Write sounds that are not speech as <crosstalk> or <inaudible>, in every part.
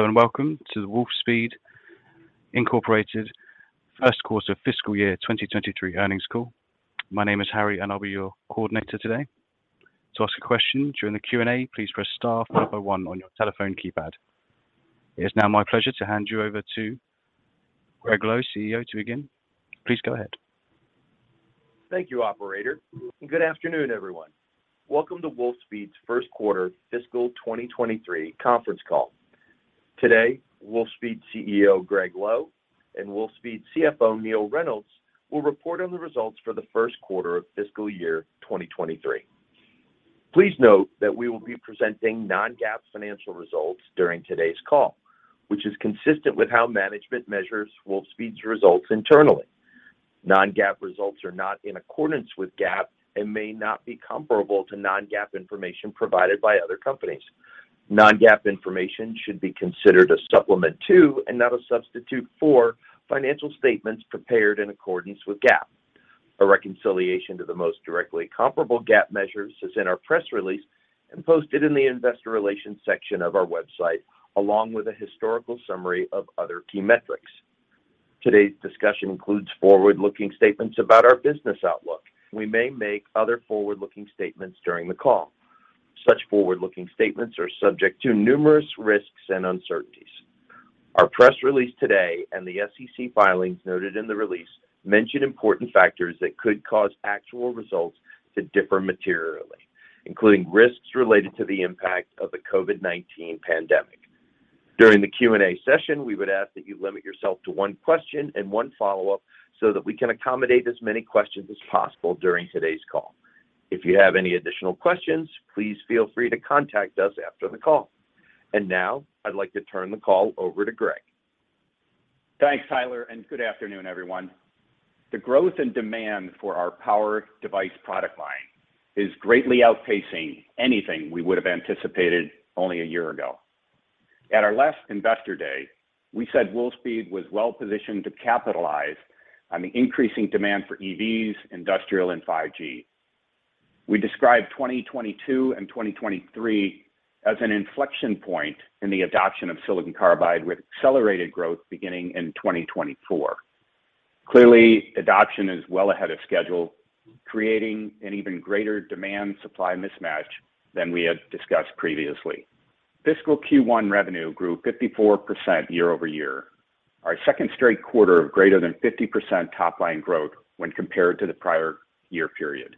Hello and welcome to the Wolfspeed first quarter fiscal year 2023 earnings call. My name is Harry, and I'll be your coordinator today. To ask a question during the Q&A, please press star one on your telephone keypad. It's now my pleasure to hand you over to Gregg Lowe, CEO, to begin. Please go ahead. Thank you, operator, and good afternoon, everyone. Welcome to Wolfspeed's first quarter fiscal 2023 conference call. Today, Wolfspeed CEO Gregg Lowe and Wolfspeed CFO Neill Reynolds will report on the results for the first quarter of fiscal year 2023. Please note that we will be presenting non-GAAP financial results during today's call, which is consistent with how management measures Wolfspeed's results internally. Non-GAAP results are not in accordance with GAAP and may not be comparable to non-GAAP information provided by other companies. Non-GAAP information should be considered a supplement to, and not a substitute for, financial statements prepared in accordance with GAAP. A reconciliation to the most directly comparable GAAP measures is in our press release and posted in the Investor Relations section of our website, along with a historical summary of other key metrics. Today's discussion includes forward-looking statements about our business outlook. We may make other forward-looking statements during the call. Such forward-looking statements are subject to numerous risks and uncertainties. Our press release today and the SEC filings noted in the release mention important factors that could cause actual results to differ materially, including risks related to the impact of the COVID-19 pandemic. During the Q&A session, we would ask that you limit yourself to one question and one follow-up so that we can accommodate as many questions as possible during today's call. If you have any additional questions, please feel free to contact us after the call. Now, I'd like to turn the call over to Gregg. Thanks, Tyler, and good afternoon, everyone. The growth and demand for our power device product line is greatly outpacing anything we would have anticipated only a year ago. At our last Investor Day, we said Wolfspeed was well-positioned to capitalize on the increasing demand for EVs, industrial, and 5G. We described 2022 and 2023 as an inflection point in the adoption of silicon carbide, with accelerated growth beginning in 2024. Clearly, adoption is well ahead of schedule, creating an even greater demand-supply mismatch than we had discussed previously. Fiscal Q1 revenue grew 54% year-over-year, our second straight quarter of greater than 50% top-line growth when compared to the prior-year period.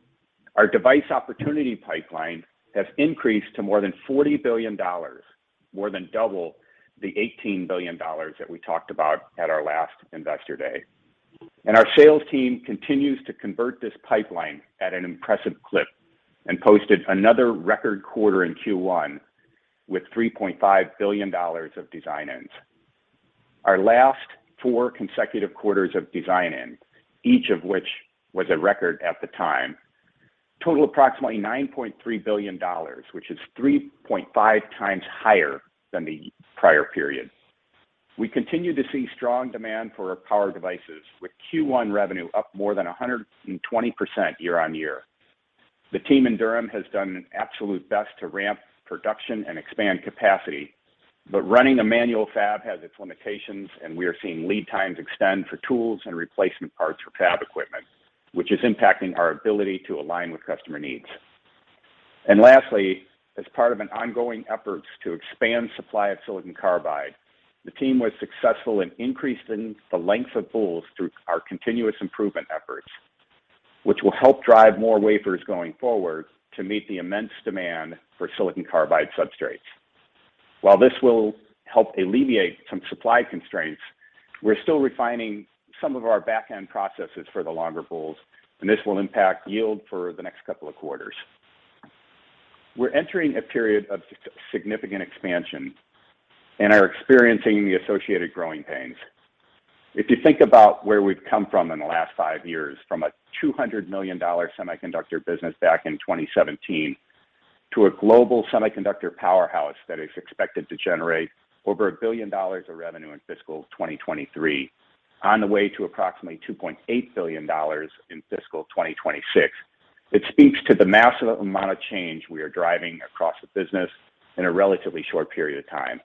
Our device opportunity pipeline has increased to more than $40 billion, more than double the $18 billion that we talked about at our last Investor Day. Our sales team continues to convert this pipeline at an impressive clip and posted another record quarter in Q1 with $3.5 billion of design-ins. Our last four consecutive quarters of design-ins, each of which was a record at the time, total approximately $9.3 billion, which is 3.5x higher than the prior period. We continue to see strong demand for our power devices, with Q1 revenue up more than 120% year-on-year. The team in Durham has done an absolute best to ramp production and expand capacity, but running a manual fab has its limitations, and we are seeing lead times extend for tools and replacement parts for fab equipment, which is impacting our ability to align with customer needs. Lastly, as part of our ongoing efforts to expand supply of silicon carbide, the team was successful in increasing the length of boules through our continuous improvement efforts, which will help drive more wafers going forward to meet the immense demand for silicon carbide substrates. While this will help alleviate some supply constraints, we're still refining some of our back-end processes for the longer boules, and this will impact yield for the next couple of quarters. We're entering a period of significant expansion and are experiencing the associated growing pains. If you think about where we've come from in the last five years, from a $200 million semiconductor business back in 2017 to a global semiconductor powerhouse that is expected to generate over $1 billion of revenue in fiscal 2023 on the way to approximately $2.8 billion in fiscal 2026, it speaks to the massive amount of change we are driving across the business in a relatively short period of time.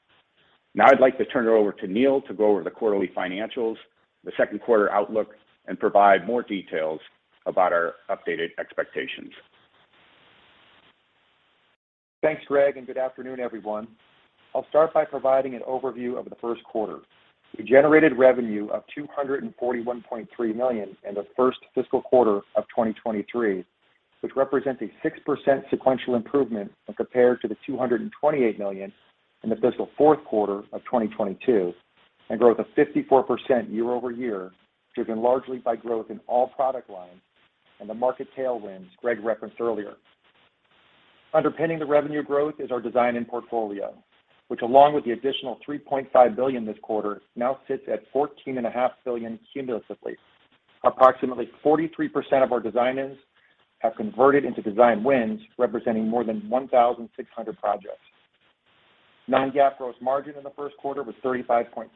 Now I'd like to turn it over to Neill to go over the quarterly financials, the second quarter outlook, and provide more details about our updated expectations. Thanks, Gregg, and good afternoon, everyone. I'll start by providing an overview of the first quarter. We generated revenue of $241.3 million in the first fiscal quarter of 2023, which represents a 6% sequential improvement when compared to the $228 million in the fiscal fourth quarter of 2022 and growth of 54% year-over-year, driven largely by growth in all product lines and the market tailwinds Gregg referenced earlier. Underpinning the revenue growth is our design-in portfolio, which along with the additional $3.5 billion this quarter, now sits at $14.5 billion cumulatively. Approximately 43% of our design-ins have converted into design-wins, representing more than 1,600 projects. Non-GAAP gross margin in the first quarter was 35.6%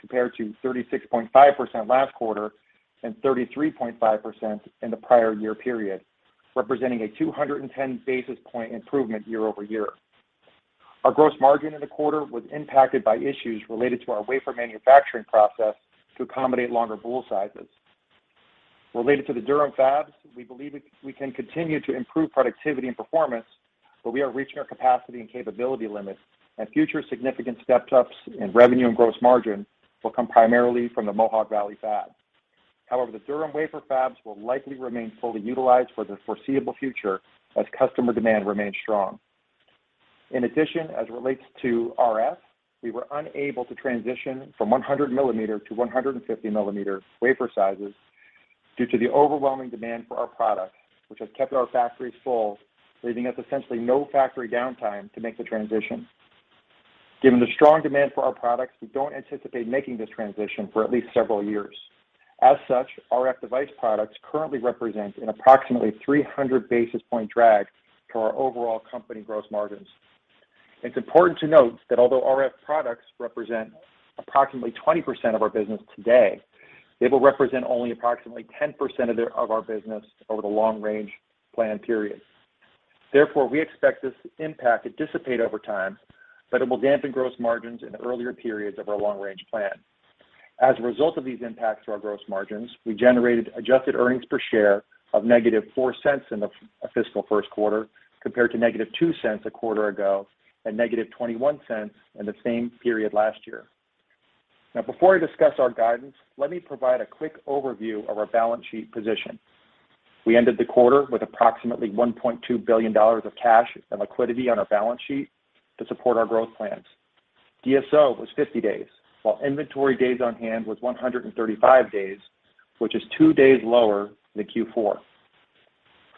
compared to 36.5% last quarter and 33.5% in the prior-year period, representing a 210-basis point improvement year-over-year. Our gross margin in the quarter was impacted by issues related to our wafer manufacturing process to accommodate longer boule sizes. Related to the Durham fabs, we believe we can continue to improve productivity and performance, but we are reaching our capacity and capability limits, and future significant step-ups in revenue and gross margin will come primarily from the Mohawk Valley fab. However, the Durham wafer fabs will likely remain fully utilized for the foreseeable future as customer demand remains strong. In addition, as it relates to RF, we were unable to transition from 100 mm to 150 mm wafer sizes due to the overwhelming demand for our products, which has kept our factories full, leaving us essentially no factory downtime to make the transition. Given the strong demand for our products, we don't anticipate making this transition for at least several years. As such, RF device products currently represent an approximately 300 basis point drag to our overall company gross margins. It's important to note that although RF products represent approximately 20% of our business today, they will represent only approximately 10% of our business over the long-range plan period. Therefore, we expect this impact to dissipate over time, but it will dampen gross margins in the earlier periods of our long-range plan. As a result of these impacts to our gross margins, we generated adjusted earnings per share of $-0.04 In the fiscal first quarter compared to $-0.02 a quarter ago and $-0.21 In the same period last year. Now before I discuss our guidance, let me provide a quick overview of our balance sheet position. We ended the quarter with approximately $1.2 billion of cash and liquidity on our balance sheet to support our growth plans. DSO was 50 days, while inventory days on hand was 135 days, which is 2 days lower than Q4.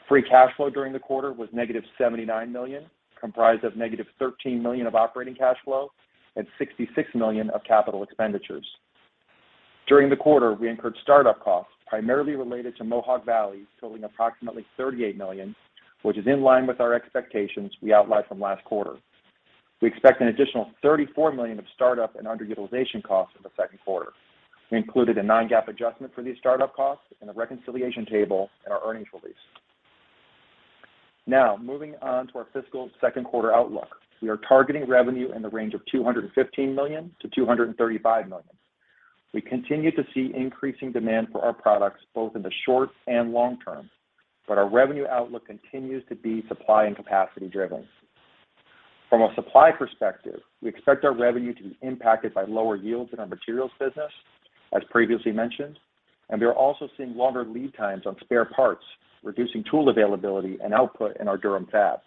Free cash flow during the quarter was -$79 million, comprised of -$13 million of operating cash flow and $66 million of CapEx. During the quarter, we incurred startup costs primarily related to Mohawk Valley, totaling approximately $38 million, which is in line with our expectations we outlined from last quarter. We expect an additional $34 million of startup and underutilization costs in the second quarter. We included a non-GAAP adjustment for these startup costs in the reconciliation table in our earnings release. Now, moving on to our fiscal second quarter outlook. We are targeting revenue in the range of $215 million-$235 million. We continue to see increasing demand for our products both in the short and long term, but our revenue outlook continues to be supply and capacity driven. From a supply perspective, we expect our revenue to be impacted by lower yields in our Materials business, as previously mentioned, and we are also seeing longer lead times on spare parts, reducing tool availability and output in our Durham fab.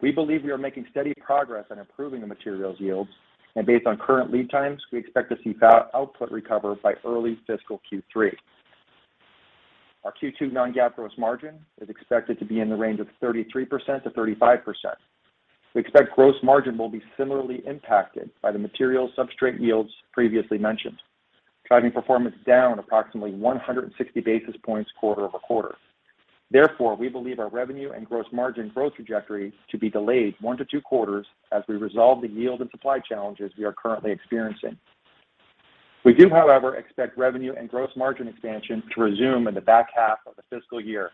We believe we are making steady progress on improving the materials yields, and based on current lead times, we expect to see output recover by early fiscal Q3. Our Q2 non-GAAP gross margin is expected to be in the range of 33%-35%. We expect gross margin will be similarly impacted by the material substrate yields previously mentioned, driving performance down approximately 160 basis points quarter-over-quarter. Therefore, we believe our revenue and gross margin growth trajectories to be delayed one to two quarters as we resolve the yield and supply challenges we are currently experiencing. We do, however, expect revenue and gross margin expansion to resume in the back half of the fiscal year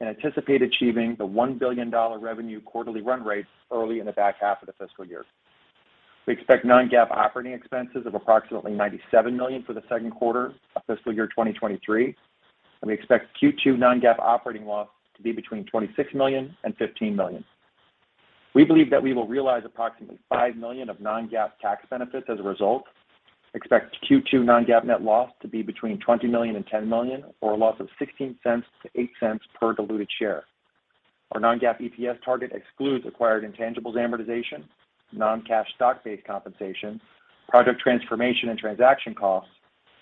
and anticipate achieving the $1 billion revenue quarterly run rates early in the back half of the fiscal year. We expect non-GAAP operating expenses of approximately $97 million for the second quarter of fiscal year 2023, and we expect Q2 non-GAAP operating loss to be between $26 million and $15 million. We believe that we will realize approximately $5 million of non-GAAP tax benefits as a result. We expect Q2 non-GAAP net loss to be between $20 million and $10 million, or a loss of $0.16-$0.08 per diluted share. Our non-GAAP EPS target excludes acquired intangibles amortization, non-cash stock-based compensation, project transformation and transaction costs,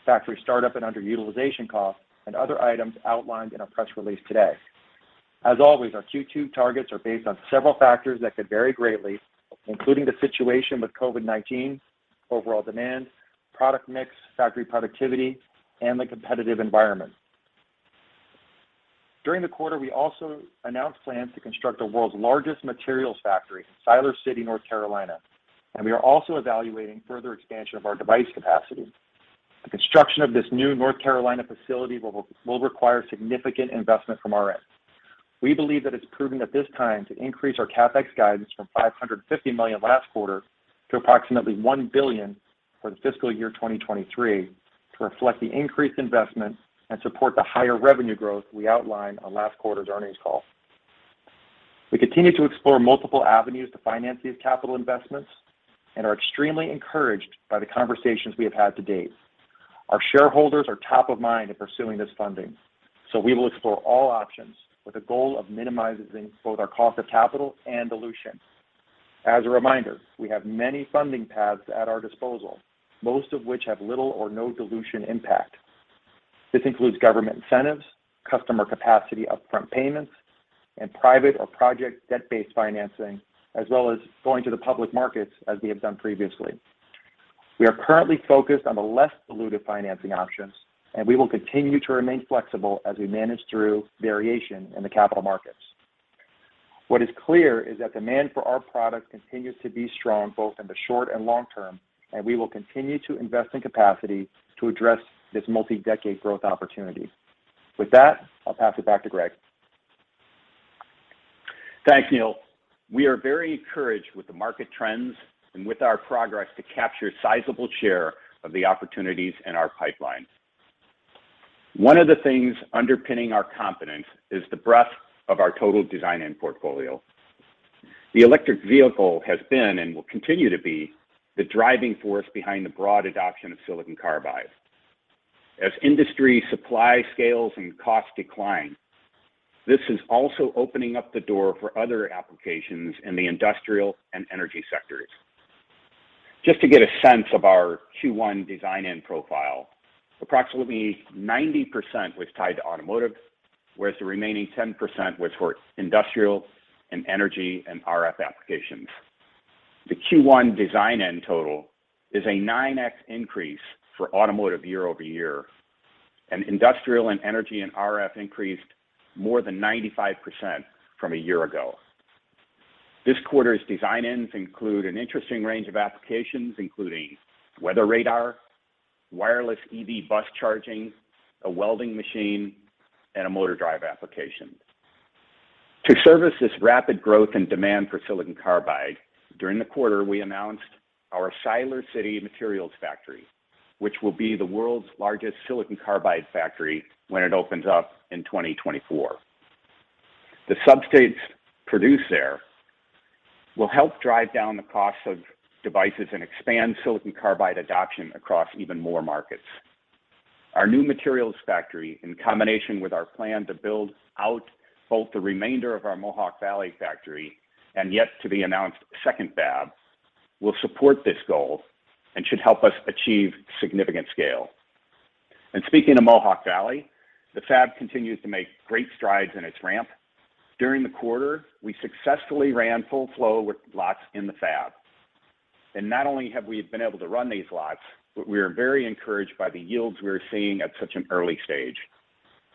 factory startup and underutilization costs, and other items outlined in our press release today. As always, our Q2 targets are based on several factors that could vary greatly, including the situation with COVID-19, overall demand, product mix, factory productivity, and the competitive environment. During the quarter, we also announced plans to construct the world's largest materials factory in Siler City, North Carolina, and we are also evaluating further expansion of our device capacity. The construction of this new North Carolina facility will require significant investment from our end. We believe that it's prudent at this time to increase our CapEx guidance from $550 million last quarter to approximately $1 billion for the fiscal year 2023 to reflect the increased investment and support the higher revenue growth we outlined on last quarter's earnings call. We continue to explore multiple avenues to finance these capital investments and are extremely encouraged by the conversations we have had to date. Our shareholders are top of mind in pursuing this funding, so we will explore all options with the goal of minimizing both our cost of capital and dilution. As a reminder, we have many funding paths at our disposal, most of which have little or no dilution impact. This includes government incentives, customer capacity upfront payments, and private or project debt-based financing, as well as going to the public markets as we have done previously. We are currently focused on the less dilutive financing options, and we will continue to remain flexible as we manage through variation in the capital markets. What is clear is that demand for our product continues to be strong both in the short and long term, and we will continue to invest in capacity to address this multi-decade growth opportunity. With that, I'll pass it back to Gregg. Thanks, Neill. We are very encouraged with the market trends and with our progress to capture sizable share of the opportunities in our pipeline. One of the things underpinning our confidence is the breadth of our total design-in profile. The electric vehicle has been, and will continue to be, the driving force behind the broad adoption of silicon carbide. As industry supply scales and costs decline, this is also opening up the door for other applications in the industrial and energy sectors. Just to get a sense of our Q1 design-in profile, approximately 90% was tied to automotive, whereas the remaining 10% was for industrial and energy and RF applications. The Q1 design-win total is a 9x increase for automotive year-over-year, and industrial and energy and RF increased more than 95% from a year ago. This quarter's design-ins include an interesting range of applications, including weather radar, wireless EV bus charging, a welding machine, and a motor drive application. To service this rapid growth and demand for silicon carbide, during the quarter, we announced our Siler City materials factory, which will be the world's largest silicon carbide factory when it opens up in 2024. The substrates produced there will help drive down the cost of devices and expand silicon carbide adoption across even more markets. Our new materials factory, in combination with our plan to build out both the remainder of our Mohawk Valley factory and yet to be announced second fab, will support this goal and should help us achieve significant scale. Speaking of Mohawk Valley, the fab continues to make great strides in its ramp. During the quarter, we successfully ran full flow with lots in the fab. Not only have we been able to run these lots, but we are very encouraged by the yields we are seeing at such an early stage.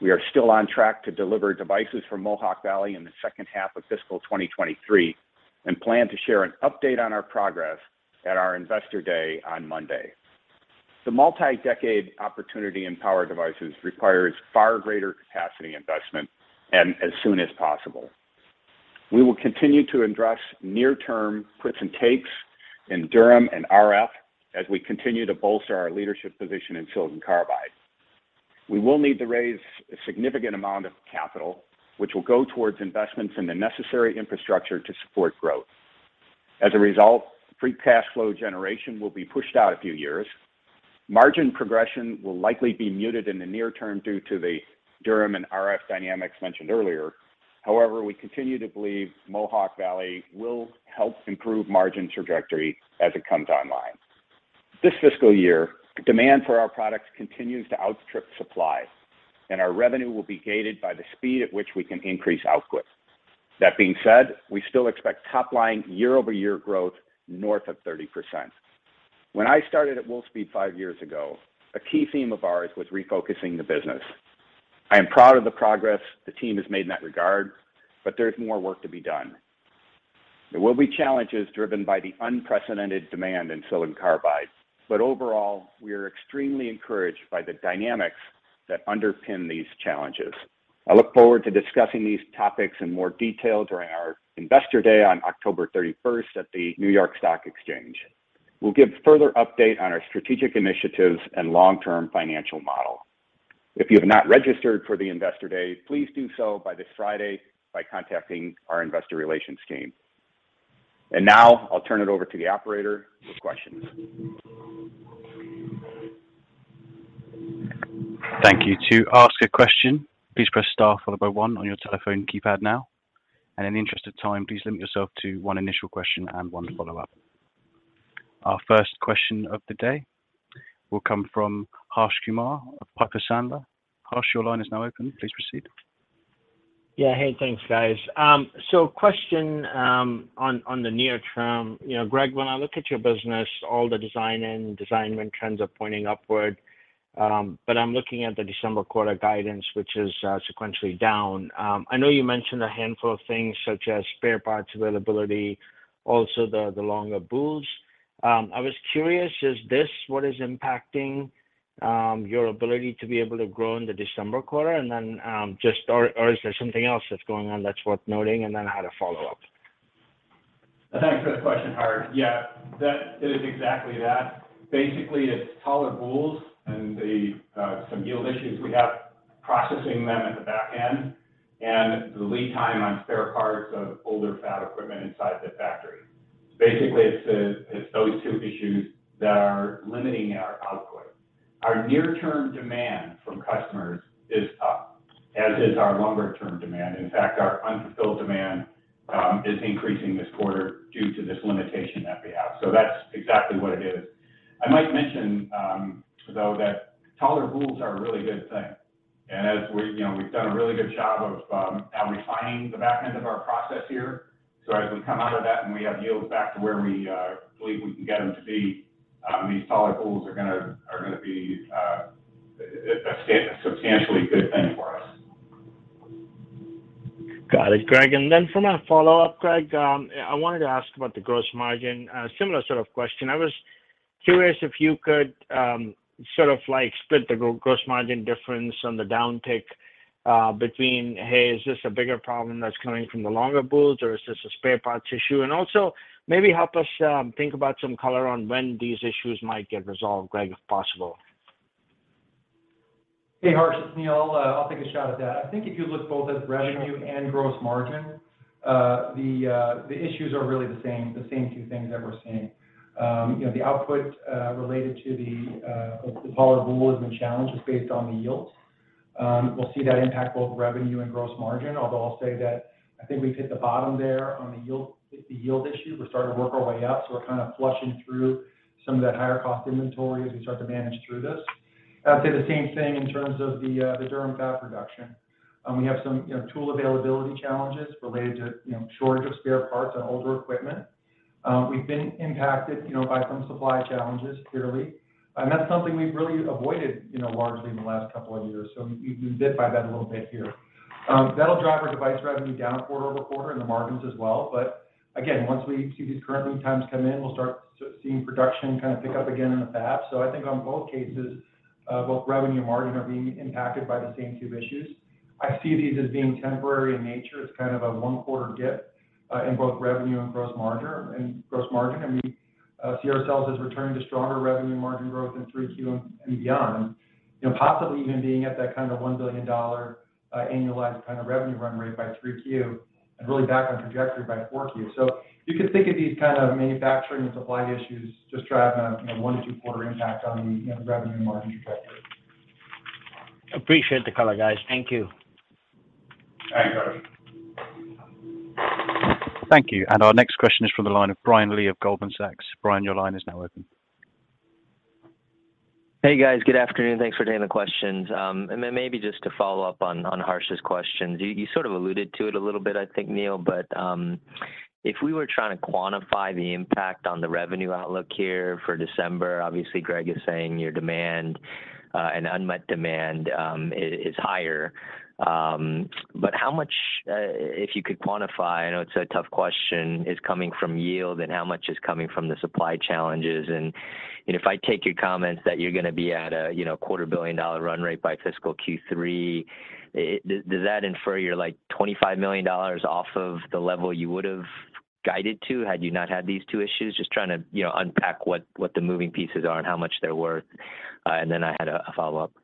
We are still on track to deliver devices from Mohawk Valley in the second half of fiscal 2023 and plan to share an update on our progress at our Investor Day on Monday. The multi-decade opportunity in Power Devices requires far greater capacity investment and as soon as possible. We will continue to address near-term puts and takes in Durham and RF as we continue to bolster our leadership position in silicon carbide. We will need to raise a significant amount of capital, which will go towards investments in the necessary infrastructure to support growth. As a result, free cash flow generation will be pushed out a few years. Margin progression will likely be muted in the near term due to the Durham and RF dynamics mentioned earlier. However, we continue to believe Mohawk Valley will help improve margin trajectory as it comes online. This fiscal year, demand for our products continues to outstrip supply, and our revenue will be gated by the speed at which we can increase output. That being said, we still expect top-line year-over-year growth north of 30%. When I started at Wolfspeed five years ago, a key theme of ours was refocusing the business. I am proud of the progress the team has made in that regard, but there's more work to be done. There will be challenges driven by the unprecedented demand in silicon carbide, but overall, we are extremely encouraged by the dynamics that underpin these challenges. I look forward to discussing these topics in more detail during our Investor Day on October 31st at the New York Stock Exchange. We'll give further update on our strategic initiatives and long-term financial model. If you have not registered for the Investor Day, please do so by this Friday by contacting our investor relations team. Now I'll turn it over to the operator with questions. Thank you. To ask a question, please press star followed by one on your telephone keypad now. In the interest of time, please limit yourself to one initial question and one follow-up. Our first question of the day will come from Harsh Kumar of Piper Sandler. Harsh, your line is now open. Please proceed. Yeah. Hey, thanks, guys. Question on the near term. You know, Gregg, when I look at your business, all the design-in, design win trends are pointing upward. I'm looking at the December quarter guidance, which is sequentially down. I know you mentioned a handful of things such as spare parts availability, also the longer boules. I was curious, is this what is impacting your ability to be able to grow in the December quarter? Is there something else that's going on that's worth noting? I had a follow-up. Thanks for the question, Harsh. Yeah, that is exactly that. Basically, it's taller boules and some yield issues we have processing them at the back end and the lead time on spare parts of older fab equipment inside the factory. Basically, it's those two issues that are limiting our output. Our near-term demand from customers is up, as is our longer-term demand. In fact, our unfulfilled demand is increasing this quarter due to this limitation that we have. So that's exactly what it is. I might mention, though, that taller boules are a really good thing. As we, you know, we've done a really good job of refining the back end of our process here. As we come out of that and we have yields back to where we believe we can get them to be, these taller pools are gonna be a substantially good thing for us. Got it, Gregg. For my follow-up, Gregg, I wanted to ask about the gross margin. Similar sort of question. I was curious if you could sort of like split the gross margin difference on the downtick between, hey, is this a bigger problem that's coming from the longer pools, or is this a spare parts issue? Also maybe help us think about some color on when these issues might get resolved, Gregg, if possible. Hey, Harsh, it's Neill. I'll take a shot at that. I think if you look both at revenue and gross margin, the issues are really the same two things that we're seeing. You know, the output related to the taller boule has been challenged just based on the yield. We'll see that impact both revenue and gross margin, although I'll say that I think we've hit the bottom there on the yield issue. We're starting to work our way up, so we're kind of flushing through some of that higher cost inventory as we start to manage through this. I'd say the same thing in terms of the Durham fab production. We have some, you know, tool availability challenges related to, you know, shortage of spare parts on older equipment. We've been impacted, you know, by some supply challenges clearly, and that's something we've really avoided, you know, largely in the last couple of years. We did fight that a little bit here. That'll drive our device revenue down quarter-over-quarter and the margins as well. Again, once we see these current lead times come in, we'll start seeing production kind of pick up again in the fab. I think on both cases, both revenue and margin are being impacted by the same two issues. I see these as being temporary in nature as kind of a one-quarter dip in both revenue and gross margin. We see ourselves as returning to stronger revenue margin growth in 3Q and beyond. You know, possibly even being at that kind of $1 billion, annualized kind of revenue run rate by 3Q, and really back on trajectory by 4Q. You could think of these kind of manufacturing and supply issues just driving a, you know, one- to two-quarter impact on the, you know, revenue and margin trajectory. Appreciate the color, guys. Thank you. Thanks, Harsh. Thank you. Our next question is from the line of Brian Lee of Goldman Sachs. Brian, your line is now open. Hey, guys. Good afternoon. Thanks for taking the questions. Then maybe just to follow up on Harsh's questions. You sort of alluded to it a little bit, I think, Neill, but if we were trying to quantify the impact on the revenue outlook here for December, obviously Gregg is saying your demand and unmet demand is higher. How much, if you could quantify, I know it's a tough question, is coming from yield and how much is coming from the supply challenges? You know, if I take your comments that you're gonna be at a, you know, $0.25 billion run rate by fiscal Q3, does that infer you're like $25 million off of the level you would've guided to had you not had these two issues? Just trying to, you know, unpack what the moving pieces are and how much they're worth. I had a follow-up. Yeah,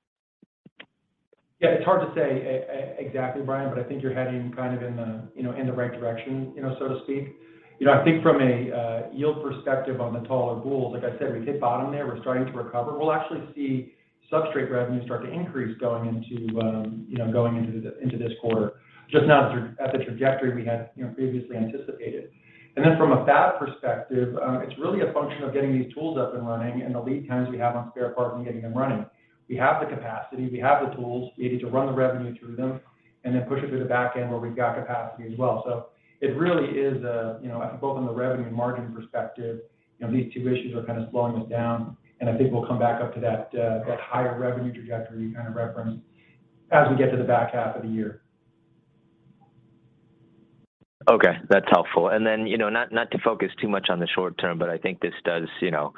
it's hard to say exactly, Brian, but I think you're heading kind of in the, you know, in the right direction, you know, so to speak. You know, I think from a yield perspective on the taller boules, like I said, we've hit bottom there. We're starting to recover. We'll actually see substrate revenue start to increase going into, you know, going into this quarter, just not at the trajectory we had, you know, previously anticipated. From a fab perspective, it's really a function of getting these tools up and running and the lead times we have on spare parts and getting them running. We have the capacity, we have the tools, we need to run the revenue through them and then push it through the back end where we've got capacity as well. It really is a, you know, I think both on the revenue and margin perspective, you know, these two issues are kind of slowing us down, and I think we'll come back up to that higher revenue trajectory you kind of referenced as we get to the back half of the year. Okay. That's helpful. You know, not to focus too much on the short term, but I think this does, you know,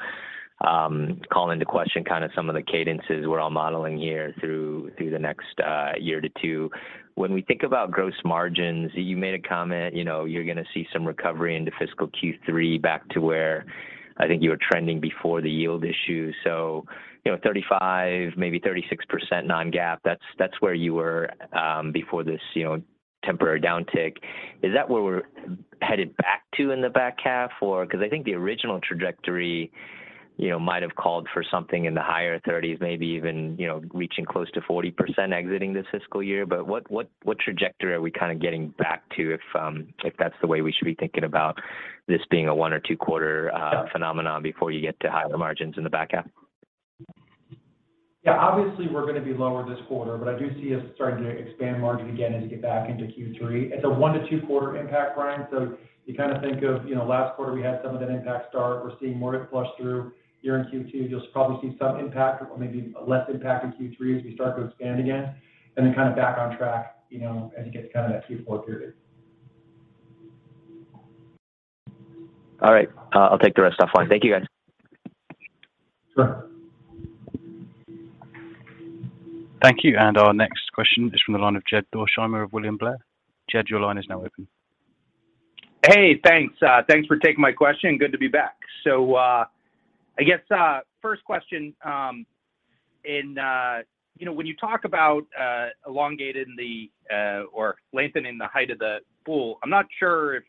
call into question kind of some of the cadences we're all modeling here through the next year to two. When we think about gross margins, you made a comment, you know, you're gonna see some recovery into fiscal Q3, back to where I think you were trending before the yield issue. You know, 35%, maybe 36% non-GAAP, that's where you were before this, you know, temporary downtick. Is that where we're headed back to in the back half or? 'Cause I think the original trajectory, you know, might have called for something in the higher 30s, maybe even, you know, reaching close to 40% exiting this fiscal year. What trajectory are we kind of getting back to if that's the way we should be thinking about this being a one- or two-quarter phenomenon before you get to higher margins in the back half? Yeah, obviously we're gonna be lower this quarter, but I do see us starting to expand margin again as we get back into Q3. It's a one- to two-quarter impact, Brian. You kind of think of, you know, last quarter we had some of that impact start. We're seeing more of it flush through here in Q2. You'll probably see some impact or maybe less impact in Q3 as we start to expand again and then kind of back on track, you know, as we get to kind of that Q4 period. All right. I'll take the rest offline. Thank you, guys. Sure. Thank you. Our next question is from the line of Jed Dorsheimer of William Blair. Jed, your line is now open. Hey, thanks. Thanks for taking my question. Good to be back. I guess first question, you know, when you talk about elongating or lengthening the height of the boule, I'm not sure if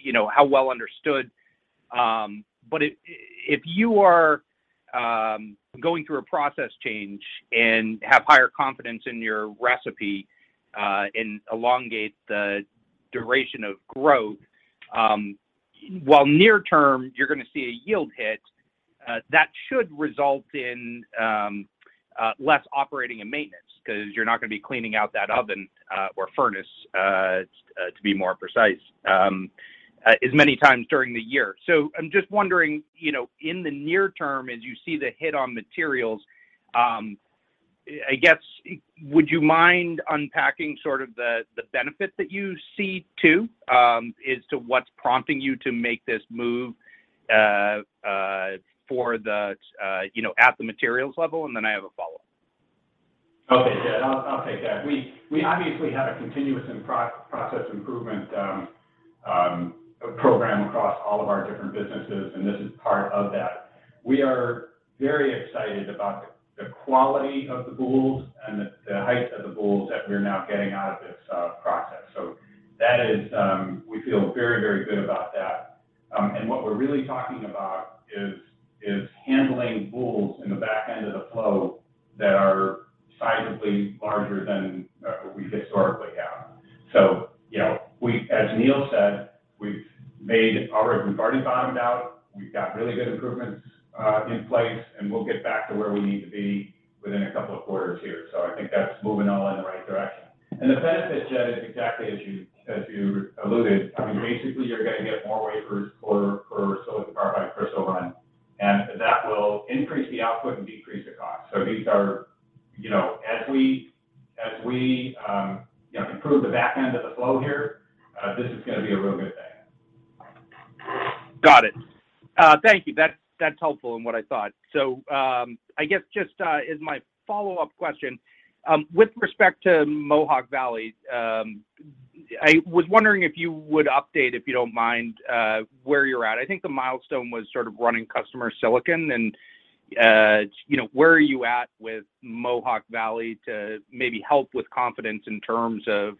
you know, how well understood. If you are going through a process change and have higher confidence in your recipe and elongate the duration of growth, while near term you're gonna see a yield hit, that should result in less operating and maintenance because you're not gonna be cleaning out that oven or furnace, to be more precise, as many times during the year. I'm just wondering, you know, in the near term, as you see the hit on materials, I guess would you mind unpacking sort of the benefit that you see too, as to what's prompting you to make this move, for the, you know, at the materials level, and then I have a follow-up. Okay, Jed, I'll take that. We obviously have a continuous and process improvement program across all of our different businesses, and this is part of that. We are very excited about the quality of the boules and the height of the boules that we're now getting out of this process. That is, we feel very good about that. What we're really talking about is handling boules in the back end of the flow that are sizably larger than we've historically had. You know, as Neill said, we've already bottomed out. We've got really good improvements in place, and we'll get back to where we need to be within a couple of quarters here. I think that's moving all in the right direction. The benefit, Jed, is exactly as you alluded. I mean, basically you're gonna get more wafers per silicon carbide crystal run, and that will increase the output and decrease the cost. These are, you know, as we you know, improve the back end of the flow here. This is gonna be a real good thing. Got it. Thank you. That's helpful and what I thought. I guess just as my follow-up question, with respect to Mohawk Valley, I was wondering if you would update, if you don't mind, where you're at. I think the milestone was sort of running customer silicon and, you know, where are you at with Mohawk Valley to maybe help with confidence in terms of,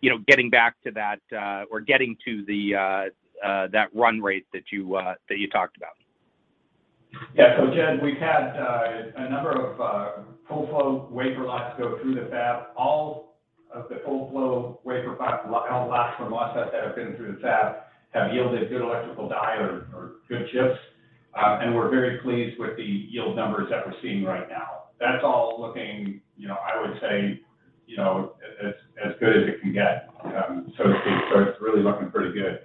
you know, getting back to that or getting to the that run rate that you that you talked about? Yeah. Jed, we've had a number of full-flow wafer lots go through the fab. All of the full-flow wafer lots from wafer set that have been through the fab have yielded good electrical die or good chips. We're very pleased with the yield numbers that we're seeing right now. That's all looking, you know, I would say, you know, as good as it can get. It's really looking pretty good.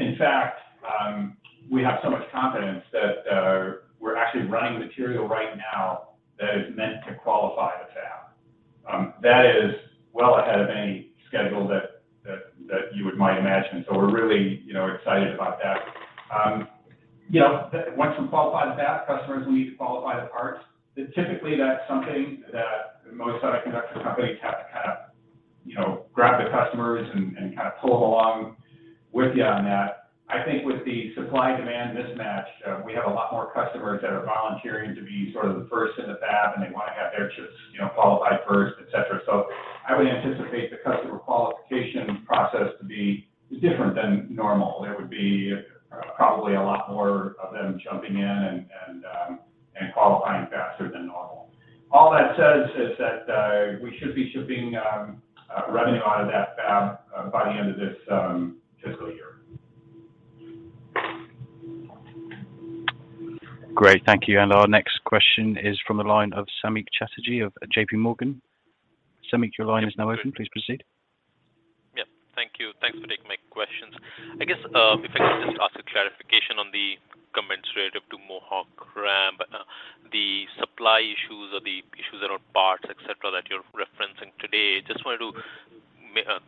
In fact, we have so much confidence that we're actually running material right now that is meant to qualify the fab. That is well ahead of any schedule that you might imagine. We're really, you know, excited about that. You know, once we qualify the fab, customers will need to qualify the parts. Typically, that's something that most semiconductor companies have to kind of, you know, grab the customers and kind of pull them along with you on that. I think with the supply-demand mismatch, we have a lot more customers that are volunteering to be sort of the first in the fab, and they wanna have their chips, you know, qualified first, et cetera. I would anticipate the customer qualification process to be different than normal. It would be probably a lot more of them jumping in and qualifying faster than normal. All that says is that we should be shipping revenue out of that fab by the end of this fiscal year. Great. Thank you. Our next question is from the line of Samik Chatterjee of JPMorgan. Samik, your line is now open. Please proceed. Yeah. Thank you. Thanks for taking my questions. I guess, if I could just ask a clarification on the comments related to Mohawk ramp. The supply issues or the issues around parts, et cetera, that you're referencing today, just wanted to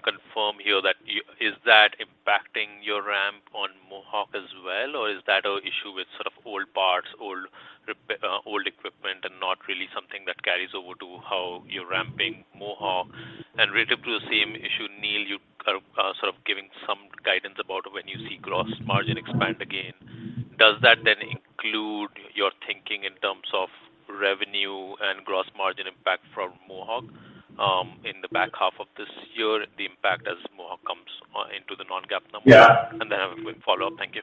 confirm here that—is that impacting your ramp on Mohawk as well, or is that a issue with sort of old parts, old equipment and not really something that carries over to how you're ramping Mohawk? Related to the same issue, Neill, you are sort of giving some guidance about when you see gross margin expand again. Does that then include your thinking in terms of revenue and gross margin impact from Mohawk in the back half of this year, the impact as Mohawk comes into the non-GAAP number? Yeah. I have a quick follow-up. Thank you.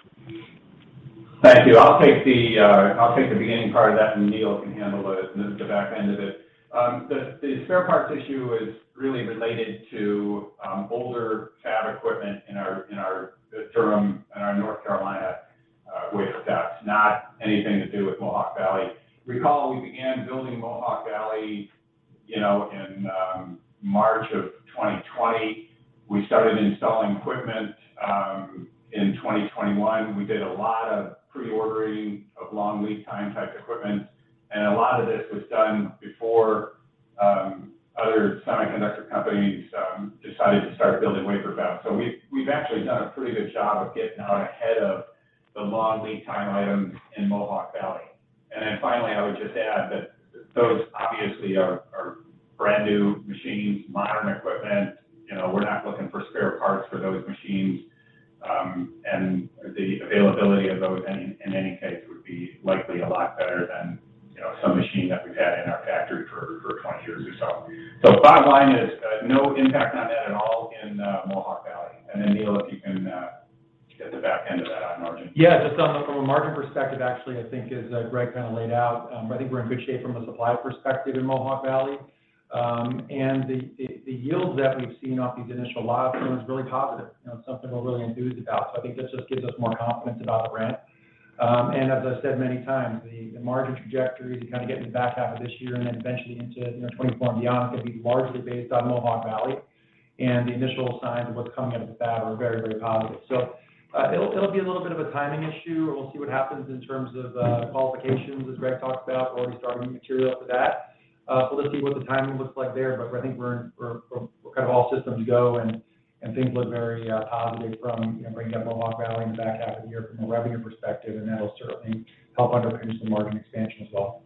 Thank you. I'll take the beginning part of that, and Neill can handle the back end of it. The spare parts issue is really related to older fab equipment in our Durham and our North Carolina wafer fabs, not anything to do with Mohawk Valley. Recall, we began building Mohawk Valley, you know, in March of 2020. We started installing equipment in 2021. We did a lot of pre-ordering of long lead time type equipment, and a lot of this was done before other semiconductor companies decided to start building wafer fabs. We've actually done a pretty good job of getting out ahead of the long lead time items in Mohawk Valley. Finally, I would just add that those obviously are brand-new machines, modern equipment. You know, we're not looking for spare parts for those machines. The availability of those in any case would be likely a lot better than you know some machine that. <inaudible> Bottom line is no impact on that at all in Mohawk Valley. Neill, if you can hit the back end of that on margin. From a margin perspective, actually, I think as Gregg kind of laid out, I think we're in good shape from a supply perspective in Mohawk Valley. The yields that we've seen off these initial lot is really positive. You know, something we're really enthused about. I think this just gives us more confidence about the ramp. As I said many times, the margin trajectory to kind of get in the back half of this year and then eventually into, you know, 2024 and beyond is gonna be largely based on Mohawk Valley, and the initial signs of what's coming out of that are very, very positive. It'll be a little bit of a timing issue. We'll see what happens in terms of qualifications, as Gregg talked about. We're already starting material for that. We'll see what the timing looks like there, but I think we're kind of all systems go and things look very positive from, you know, bringing up Mohawk Valley in the back half of the year from a revenue perspective, and that'll certainly help underpin some margin expansion as well.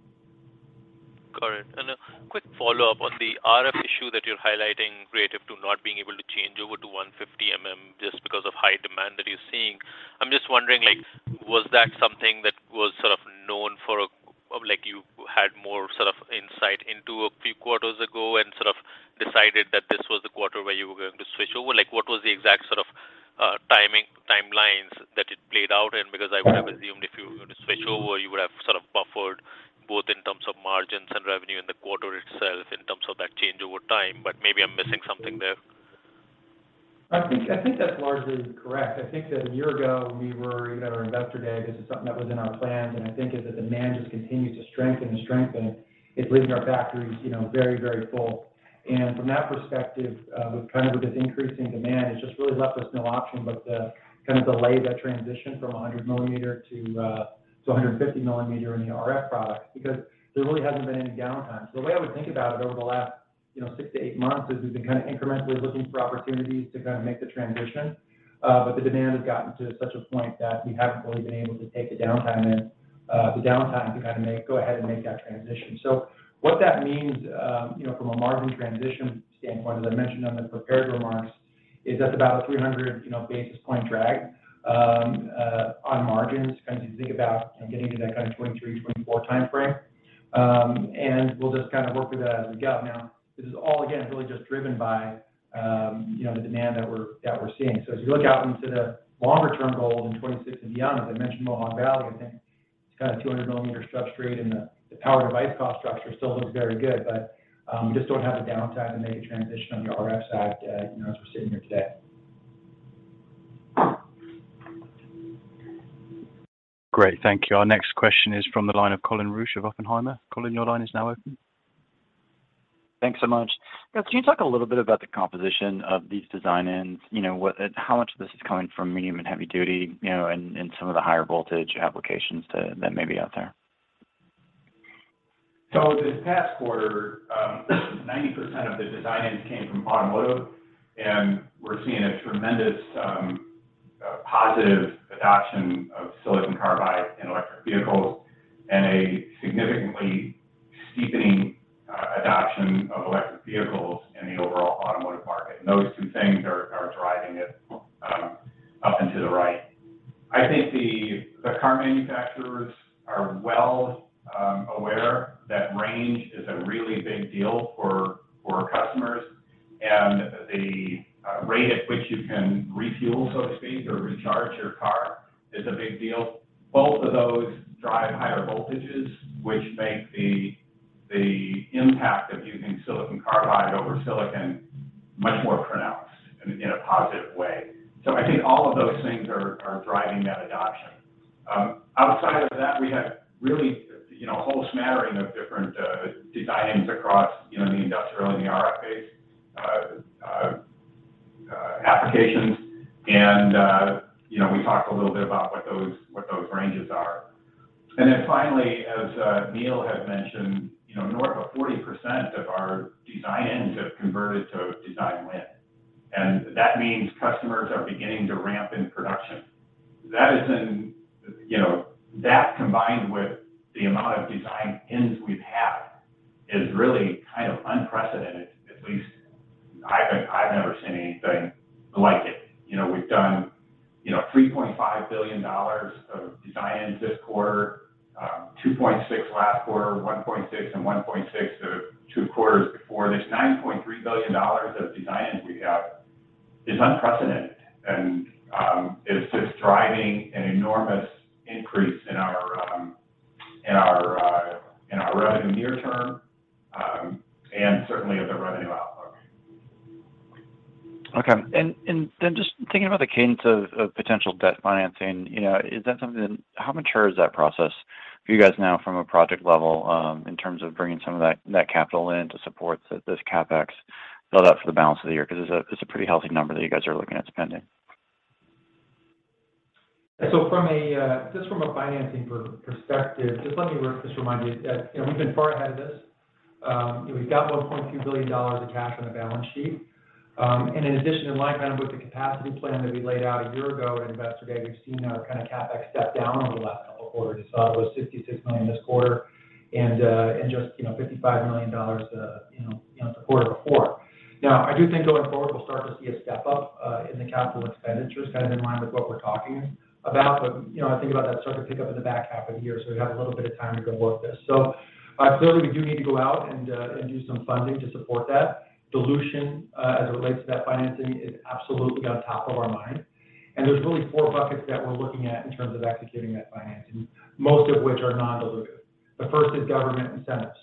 Correct. A quick follow-up on the RF issue that you're highlighting relative to not being able to change over to 150 mm just because of high demand that you're seeing. I'm just wondering, like, was that something that was sort of known or like you had more sort of insight into a few quarters ago and sort of decided that this was the quarter where you were going to switch over? Like, what was the exact sort of timing, timelines that it played out in? Because I would have assumed if you were gonna switch over, you would have sort of buffered both in terms of margins and revenue in the quarter itself in terms of that change over time, but maybe I'm missing something there. I think that's largely correct. I think that a year ago we were, you know, at our Investor Day, this is something that was in our plans, and I think as the demand just continues to strengthen and strengthen, it's leaving our factories, you know, very, very full. From that perspective, with this increase in demand, it's just really left us no option but to kind of delay that transition from 100 mm to 150 mm in the RF products because there really hasn't been any downtime. The way I would think about it over the last, you know, six to eight months is we've been kind of incrementally looking for opportunities to kind of make the transition, but the demand has gotten to such a point that we haven't really been able to take the downtime to kind of make that transition. What that means, you know, from a margin transition standpoint, as I mentioned on the prepared remarks, is that's about a 300 basis point drag on margins kind of as you think about, you know, getting to that kind of 2023-2024 timeframe. We'll just kind of work through that as we go. Now, this is all again really just driven by, you know, the demand that we're seeing. As you look out into the longer-term goals in 2026 and beyond, as I mentioned, Mohawk Valley, I think it's kind of 200-mm substrate and the power device cost structure still looks very good. We just don't have the downtime to make a transition on the RF side, you know, as we're sitting here today. Great. Thank you. Our next question is from the line of Colin Rusch of Oppenheimer. Colin, your line is now open. Thanks so much. Can you talk a little bit about the composition of these design-ins? You know, how much of this is coming from medium and heavy duty, you know, in some of the higher voltage applications that may be out there? This past quarter, 90% of the design-ins came from automotive, and we're seeing a tremendous positive adoption of silicon carbide in electric vehicles and a significantly steepening adoption of electric vehicles in the overall automotive market. Those two things are driving it up and to the right. I think the car manufacturers are well aware that range is a really big deal for customers and the rate at which you can refuel, so to speak, or recharge your car is a big deal. Both of those drive higher voltages, which make the impact of using silicon carbide over silicon much more pronounced in a positive way. I think all of those things are driving that adoption. Outside of that, we have really, you know, a whole smattering of different design-ins across, you know, the industrial and the RF-based applications and, you know, we talked a little bit about what those ranges are. Then finally, as Neill had mentioned, you know, north of 40% of our design-ins have converted to design-win. That means customers are beginning to ramp in production. That is, you know, that combined with the amount of design-ins we've had is really kind of unprecedented. At least I have never seen anything like it. You know, we've done, you know, $3.5 billion of design-ins this quarter, $2.6 billion last quarter, $1.6 billion and $1.6 billion the two quarters before this. $9.3 billion of design-ins we have is unprecedented and is just driving an enormous increase in our revenue near term, and certainly of the revenue outlook. Okay. Then just thinking about the cadence of potential debt financing, you know, is that something, how mature is that process for you guys now from a project level, in terms of bringing some of that capital in to support this CapEx build-out for the balance of the year? Because it's a pretty healthy number that you guys are looking at spending. From a financing perspective, just let me remind you that, you know, we've been far ahead of this. You know, we've got $1.2 billion of cash on the balance sheet. In addition, in line kind of with the capacity plan that we laid out a year ago at Investor Day, we've seen our kind of CapEx step down over the last couple quarters. You saw it was $56 million this quarter and $55 million the quarter before. Now, I do think going forward, we'll start to see a step up in the CapEx kind of in line with what we're talking about. You know, I think about that sort of pick up in the back half of the year, so we have a little bit of time to go work this. So clearly, we do need to go out and do some funding to support that. Dilution, as it relates to that financing is absolutely on top of our mind. There's really four buckets that we're looking at in terms of executing that financing, most of which are non-dilutive. The first is government incentives.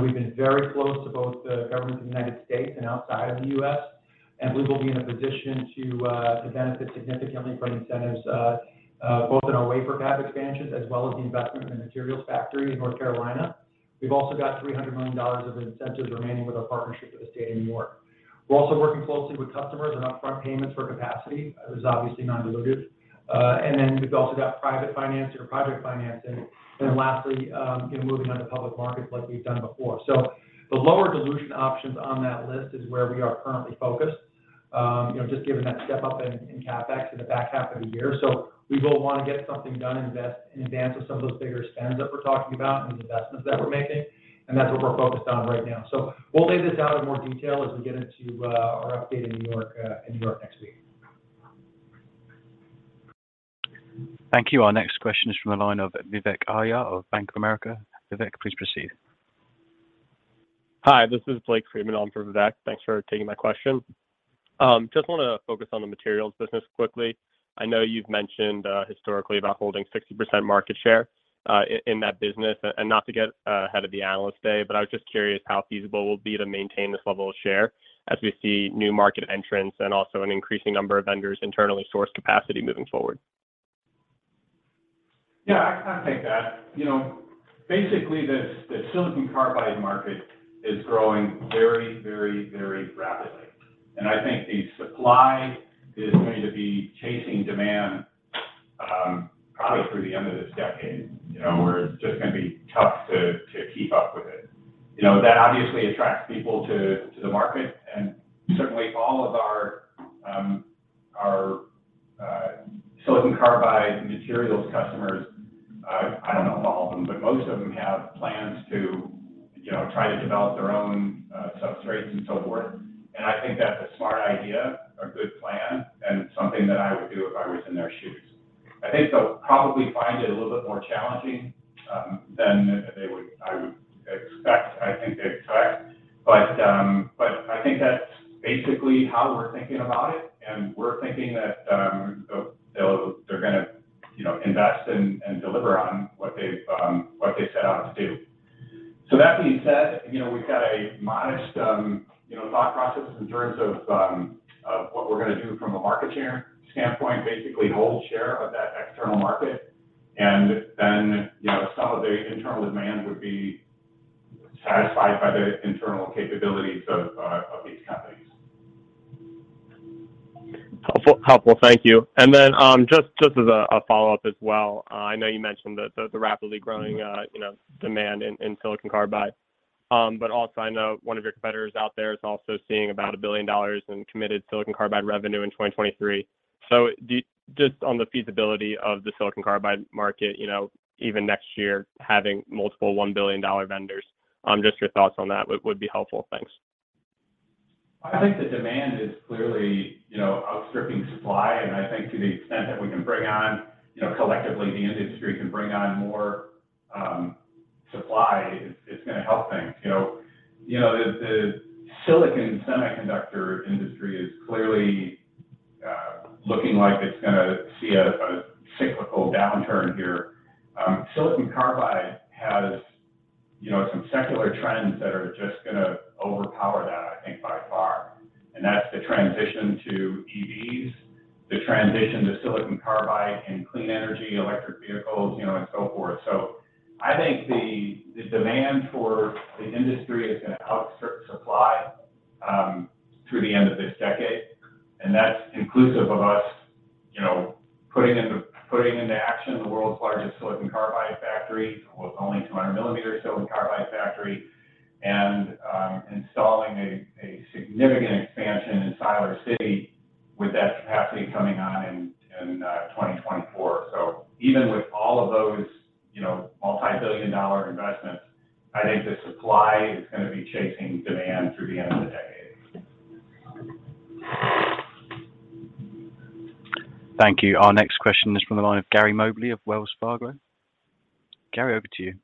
We've been very close to both the government of the United States and outside of the U.S. We will be in a position to benefit significantly from incentives both in our wafer fab expansions as well as the investment in the materials factory in North Carolina. We've also got $300 million of incentives remaining with our partnership with the state of New York. We're also working closely with customers and upfront payments for capacity. That was obviously non-dilutive. We've also got private finance or project financing. Lastly, you know, moving on to public markets like we've done before. The lower dilution options on that list is where we are currently focused, you know, just given that step-up in CapEx in the back half of the year. We will want to get something done in advance of some of those bigger spends that we're talking about and the investments that we're making, and that's what we're focused on right now. We'll lay this out in more detail as we get into our update in New York next week. Thank you. Our next question is from the line of Vivek Arya of Bank of America. Vivek, please proceed. Hi, this is Blake Friedman. I'm from BofA. Thanks for taking my question. Just wanna focus on the Materials business quickly. I know you've mentioned historically about holding 60% market share in that business. Not to get ahead of the Analyst Day, but I was just curious how feasible it will be to maintain this level of share as we see new market entrants and also an increasing number of vendors internally source capacity moving forward. Yeah, I can take that. You know, basically, the silicon carbide market is growing very rapidly. I think the supply is going to be chasing demand, probably through the end of this decade, you know, where it's just gonna be tough to keep up with it. You know, that obviously attracts people to the market, and certainly all of our silicon carbide materials customers, I don't know if all of them, but most of them have plans to, you know, try to develop their own substrates and so forth. I think that's a smart idea, a good plan, and something that I would do if I was in their shoes. I think they'll probably find it a little bit more challenging than I would expect—I think they expect. I think that's basically how we're thinking about it, and we're thinking that they're gonna, you know, invest and deliver on what they set out to do. That being said, you know, we've got a modest, you know, thought process in terms of what we're gonna do from a market share standpoint, basically hold share of that external market, and then, you know, some of the internal demand would be satisfied by the internal capabilities of these companies. Helpful. Thank you. Just as a follow-up as well, I know you mentioned the rapidly growing, you know, demand in silicon carbide. Also I know one of your competitors out there is also seeing about $1 billion in committed silicon carbide revenue in 2023. Just on the feasibility of the silicon carbide market, you know, even next year having multiple $1 billion vendors, just your thoughts on that would be helpful. Thanks. I think the demand is clearly, you know, outstripping supply, and I think to the extent that we can bring on, you know, collectively the industry can bring on more supply, it's gonna help things. You know, the silicon semiconductor industry is clearly looking like it's gonna see a cyclical downturn here. Silicon carbide has, you know, some secular trends that are just gonna overpower that, I think, by far. That's the transition to EVs, the transition to silicon carbide and clean energy, electric vehicles, you know, and so forth. I think the demand for the industry is gonna outstrip supply through the end of this decade. That's inclusive of us, you know, putting into action the world's largest silicon carbide factory. Well, it's only 200 mm silicon carbide factory, and installing a significant expansion in Siler City with that capacity coming on in 2024. Even with all of those, you know, multi-billion-dollar investments, I think the supply is gonna be chasing demand through the end of the decade. Thank you. Our next question is from the line of Gary Mobley of Wells Fargo. Gary, over to you.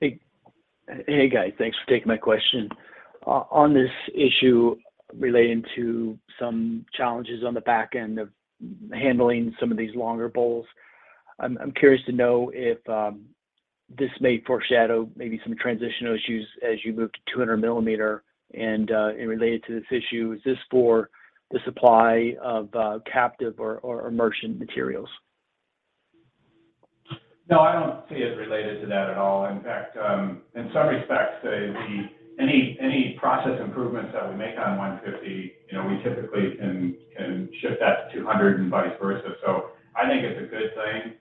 Hey, guys. Thanks for taking my question. On this issue relating to some challenges on the back end of handling some of these longer boules, I'm curious to know if this may foreshadow maybe some transitional issues as you move to 200 mm. Related to this issue, is this for the supply of captive or merchant materials? No, I don't see it related to that at all. In fact, in some respects, any process improvements that we make on 150-mm, you know, we typically can ship that to 200 mm and vice versa. So I think it's a good thing.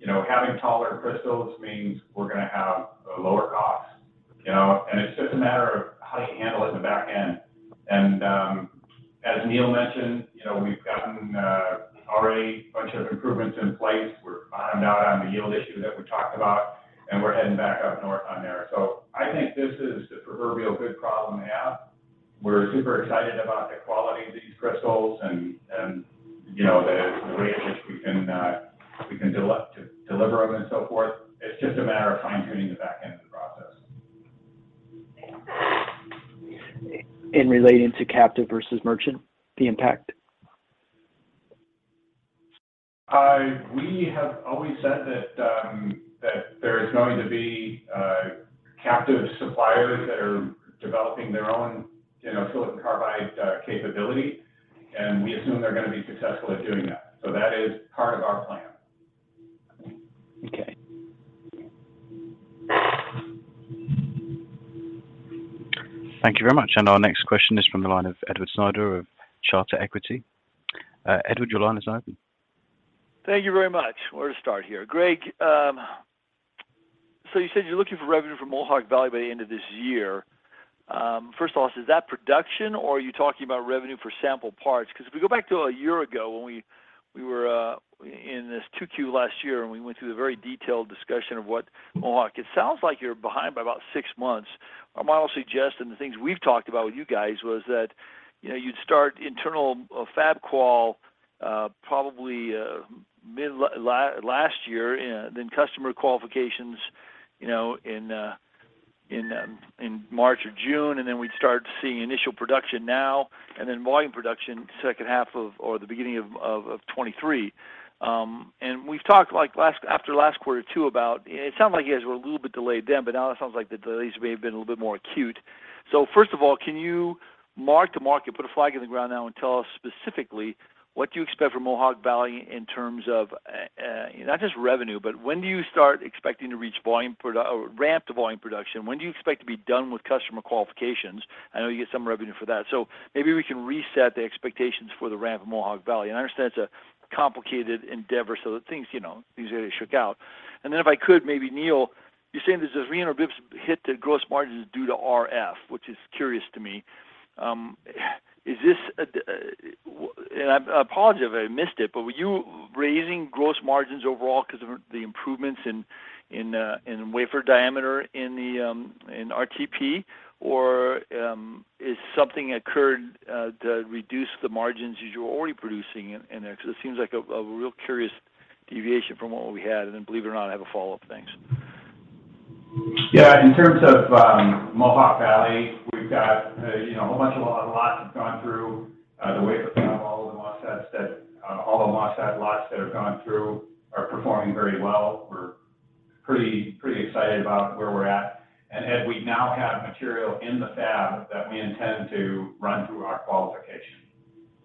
You know, having taller crystals means we're gonna have a lower cost. You know? It's just a matter of how you handle it in the back end. As Neill mentioned, you know, we've gotten already a bunch of improvements in place. We're bottomed out on the yield issue that we talked about, and we're heading back up north on there. So I think this is the proverbial good problem to have. We're super excited about the quality of these crystals and you know the way in which we can deliver them and so forth. It's just a matter of fine-tuning the back end of the process. Relating to captive versus merchant, the impact? We have always said that there is going to be captive suppliers that are developing their own, you know, silicon carbide capability, and we assume they're gonna be successful at doing that. That is part of our plan. Okay. Thank you very much. Our next question is from the line of Edward Snyder of Charter Equity. Edward, your line is open. Thank you very much. Where to start here. Gregg, so you said you're looking for revenue from Mohawk Valley by the end of this year. First of all, is that production or are you talking about revenue for sample parts? 'Cause if we go back to a year ago when we were in this 2Q last year, and we went through the very detailed discussion of what Mohawk Valley. It sounds like you're behind by about six months. Our model suggests, and the things we've talked about with you guys was that, you know, you'd start internal fab qual probably mid-last year, then customer qualifications, you know, in March or June, and then we'd start seeing initial production now, and then volume production second half or the beginning of 2023. We've talked like after last quarter too about, it sounded like you guys were a little bit delayed then, but now it sounds like the delays may have been a little bit more acute. First of all, can you, mark to market, put a flag in the ground now and tell us specifically what do you expect for Mohawk Valley in terms of not just revenue, but when do you start expecting to reach or ramp to volume production? When do you expect to be done with customer qualifications? I know you get some revenue for that. Maybe we can reset the expectations for the ramp at Mohawk Valley. I understand it's a complicated endeavor, so things, you know, things really shook out. If I could, maybe Neill, you're saying there's a 300-basis point hit to gross margins due to RF, which is curious to me. Is this, and I apologize if I missed it, but were you raising gross margins overall 'cause of the improvements in wafer diameter in the RTP, or is something occurred to reduce the margins as you're already producing in there? 'Cause it seems like a real curious deviation from what we had. Believe it or not, I have a follow-up. Thanks. Yeah. In terms of Mohawk Valley, we've got you know a whole bunch of lots have gone through the wafer fab, all the MOSFET lots that have gone through are performing very well. We're pretty excited about where we're at. Ed, we now have material in the fab that we intend to run through our qualification.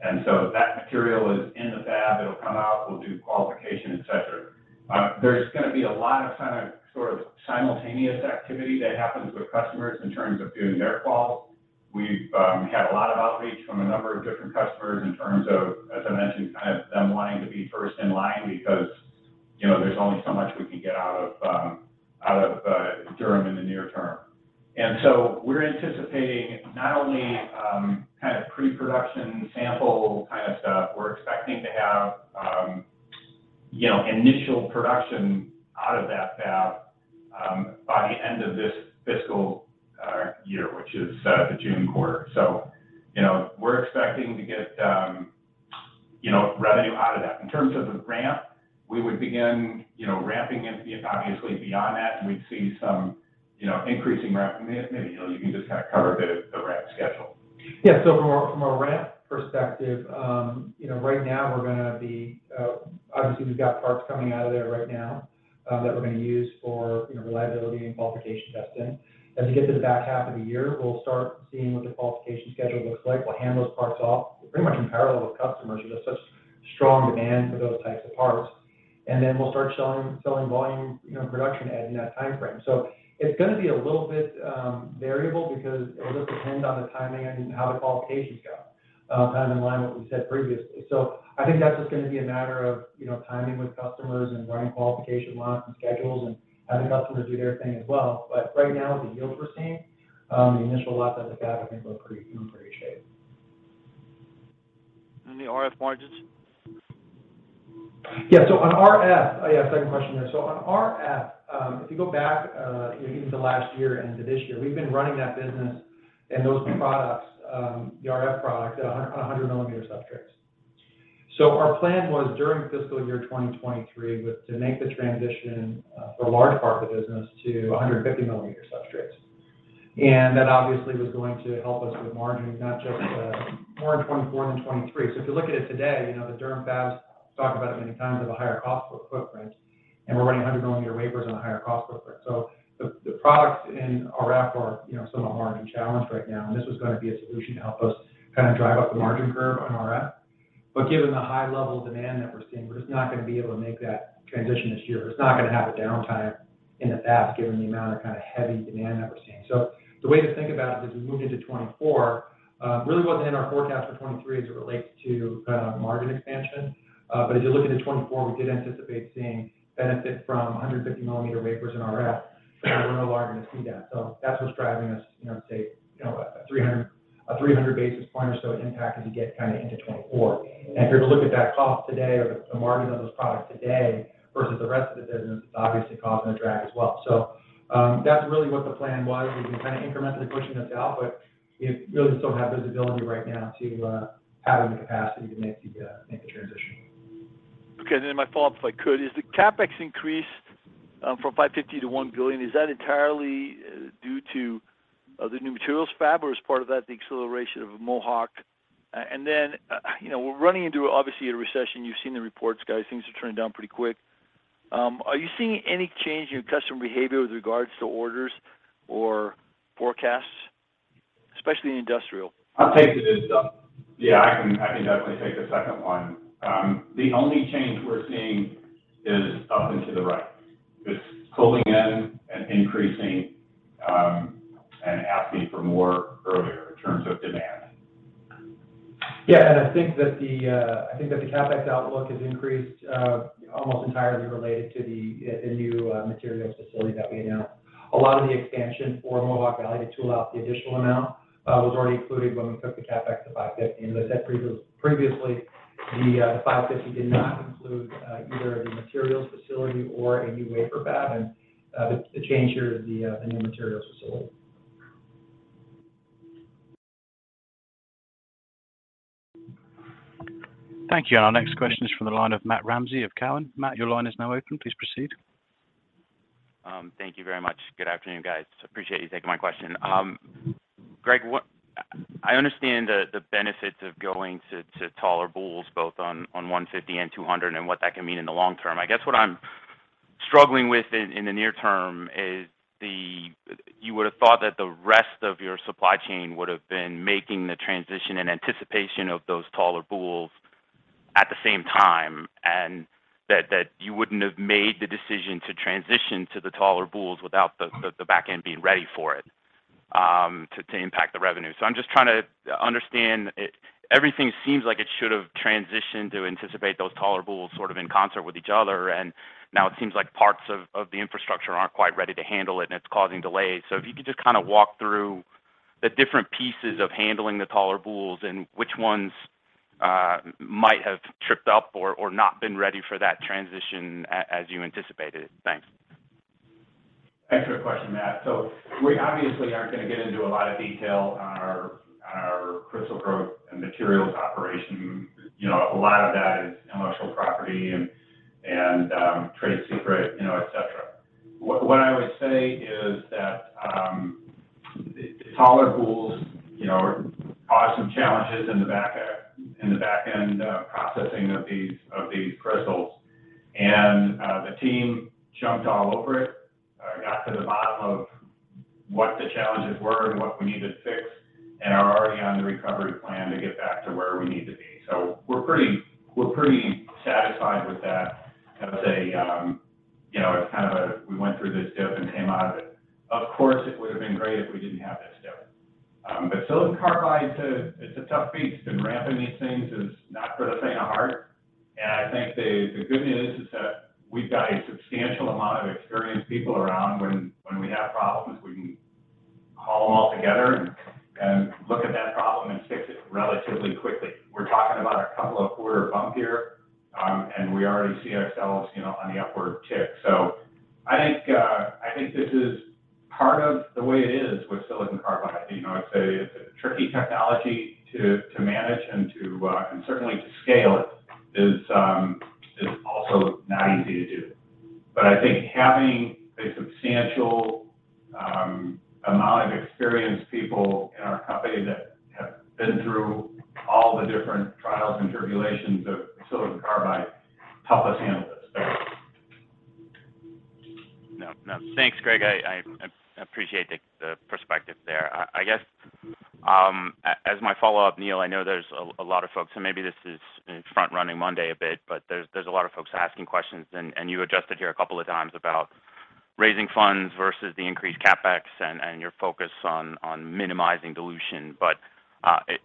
That material is in the fab, it'll come out, we'll do qualification, et cetera. There's gonna be a lot of kind of sort of simultaneous activity that happens with customers in terms of doing their qual. We've had a lot of outreach from a number of different customers in terms of, as I mentioned, kind of them wanting to be first in line because, you know, there's only so much we can get out of Durham in the near term. We're anticipating not only kind of pre-production sample kind of stuff, we're expecting to have, you know, initial production out of that fab by the end of this fiscal year, which is the June quarter. You know, we're expecting to get, you know, revenue out of that. In terms of the ramp, we would begin, you know, ramping it, you know, obviously beyond that, and we'd see some, you know, increasing ramp. Maybe Neill, you can just kind of cover a bit of the ramp schedule. Yeah. From a ramp perspective, you know, right now we're gonna be obviously we've got parts coming out of there right now that we're gonna use for, you know, reliability and qualification testing. As we get to the back half of the year, we'll start seeing what the qualification schedule looks like. We'll hand those parts off pretty much in parallel with customers. There's such strong demand for those types of parts. We'll start selling volume, you know, production in that timeframe. It's gonna be a little bit variable because it'll just depend on the timing and how the qualifications go, kind of in line with what we said previously. I think that's just gonna be a matter of, you know, timing with customers and running qualification lots and schedules and having customers do their thing as well. Right now, the yields we're seeing, the initial lots out of the fab I think look pretty in pretty shape. The RF margins? On RF. Oh, yeah, second question there. On RF, if you go back, you know, even to last year and into this year, we've been running that business and those products, the RF products at 100-mm substrates. Our plan was during fiscal year 2023 to make the transition for a large part of the business to 150-mm substrates. That obviously was going to help us with margin, not just more in 2024 than 2023. If you look at it today, you know, the Durham fabs, we've talked about it many times, have a higher cost footprint, and we're running 100 mm wafers on a higher cost footprint. The products in RF are, you know, somewhat margin challenged right now, and this was gonna be a solution to help us kind of drive up the margin curve on RF. Given the high level of demand that we're seeing, we're just not gonna be able to make that transition this year. We're just not gonna have a downtime in the fab given the amount of kind of heavy demand that we're seeing. The way to think about it as we move into 2024 really wasn't in our forecast for 2023 as it relates to margin expansion. As you look into 2024, we did anticipate seeing benefit from 150-mm wafers in RF, but we're no longer gonna see that. That's what's driving us, you know, say, you know, a 300-basis point or so impact as you get kind of into 2024. If you were to look at that cost today or the margin of those products today versus the rest of the business, it's obviously causing a drag as well. That's really what the plan was. We've been kind of incrementally pushing this out, but we really just don't have visibility right now to having the capacity to make the transition. Okay. My follow-up, if I could, is the CapEx increase from $550 million to $1 billion, is that entirely due to the new materials fab, or is part of that the acceleration of Mohawk? You know, we're running into obviously a recession. You've seen the reports, guys. Things are turning down pretty quick. Are you seeing any change in customer behavior with regards to orders or forecasts, especially in industrial? I'll take it, and then, yeah, I can definitely take the second one. The only change we're seeing is up and to the right. It's pulling in and increasing, and asking for more earlier in terms of demand. Yeah. I think that the CapEx outlook has increased almost entirely related to the new materials facility that we announced. A lot of the expansion for Mohawk Valley to tool out the additional amount was already included when we took the CapEx to $550 million. As I said previously, the $550 million did not include either the materials facility or a new wafer fab. The change here is the new materials facility. Thank you. Our next question is from the line of Matt Ramsay of Cowen. Matt, your line is now open. Please proceed. Thank you very much. Good afternoon, guys. Appreciate you taking my question. Gregg, I understand the benefits of going to taller boules, both on 150 mm and 200 mm, and what that can mean in the long term. I guess what I'm struggling with in the near term is you would have thought that the rest of your supply chain would have been making the transition in anticipation of those taller boules at the same time, and that you wouldn't have made the decision to transition to the taller boules without the back end being ready for it to impact the revenue. I'm just trying to understand. Everything seems like it should have transitioned to anticipate those taller boules sort of in concert with each other. Now it seems like parts of the infrastructure aren't quite ready to handle it, and it's causing delays. If you could just kind of walk through the different pieces of handling the taller boules and which ones might have tripped up or not been ready for that transition as you anticipated. Thanks. Thanks for the question, Matt. So we obviously aren't gonna get into a lot of detail on our crystal growth and materials operation. You know, a lot of that is intellectual property and trade secret, you know, et cetera. What I would say is that taller boules, you know, cause some challenges in the back-end processing of these crystals. The team jumped all over it, got to the bottom of what the challenges were and what we need to fix and are already on the recovery plan to get back to where we need to be. We're pretty satisfied with that as a, you know, as kind of a we went through this dip and came out of it. Of course, it would have been great if we didn't have this dip. Silicon carbide's a tough beast, and ramping these things is not for the faint of heart. I think the good news is that we've got a substantial amount of experienced people around. When we have problems, we can call them all together and look at that problem and fix it relatively quickly. We're talking about a couple of quarters bump here, and we already see ourselves, you know, on the upward tick. I think this is part of the way it is with silicon carbide. You know, it's a tricky technology to manage and certainly to scale it is also not easy to do. I think having a substantial amount of experienced people in our company that have been through all the different trials and tribulations of silicon carbide help us handle this. No, no. Thanks, Gregg. I appreciate the perspective there. I guess, as my follow-up, Neill, I know there's a lot of folks, and maybe this is front-running Monday a bit, but there's a lot of folks asking questions, and you addressed it here a couple of times about raising funds versus the increased CapEx and your focus on minimizing dilution.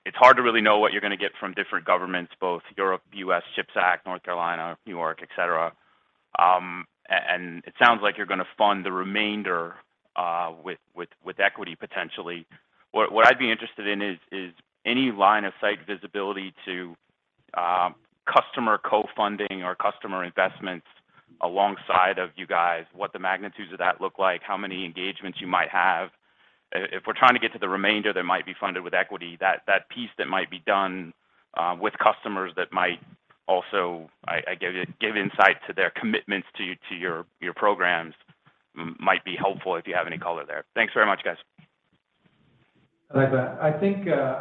It's hard to really know what you're gonna get from different governments, both Europe, U.S., CHIPS Act, North Carolina, New York, et cetera. And it sounds like you're gonna fund the remainder with equity, potentially. What I'd be interested in is any line-of-sight visibility to customer co-funding or customer investments alongside of you guys, what the magnitudes of that look like, how many engagements you might have. If we're trying to get to the remainder that might be funded with equity, that piece that might be done with customers that might also give you insight to their commitments to your programs might be helpful if you have any color there. Thanks very much, guys. I'd like to add.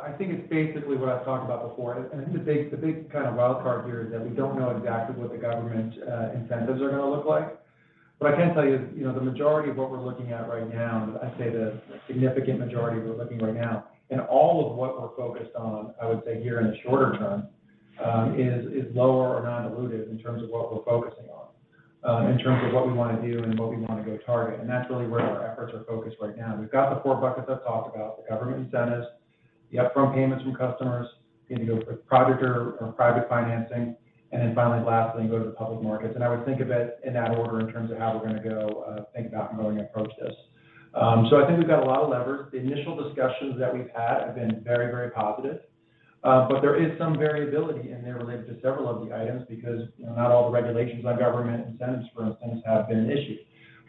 I think it's basically what I've talked about before. I think the big kind of wild card here is that we don't know exactly what the government incentives are gonna look like. What I can tell you is, you know, the majority of what we're looking at right now, I'd say the significant majority we're looking right now, and all of what we're focused on, I would say, here in the shorter term, is lower or non-dilutive in terms of what we're focusing on, in terms of what we wanna do and what we wanna go target. That's really where our efforts are focused right now. We've got the four buckets I've talked about, the government incentives, the upfront payments from customers, either go for project or private financing, and then finally, lastly, go to the public markets. I would think of it in that order in terms of how we're gonna go think about and going approach this. I think we've got a lot of leverage. The initial discussions that we've had have been very, very positive. There is some variability in there related to several of the items because, you know, not all the regulations on government incentives, for instance, have been issued.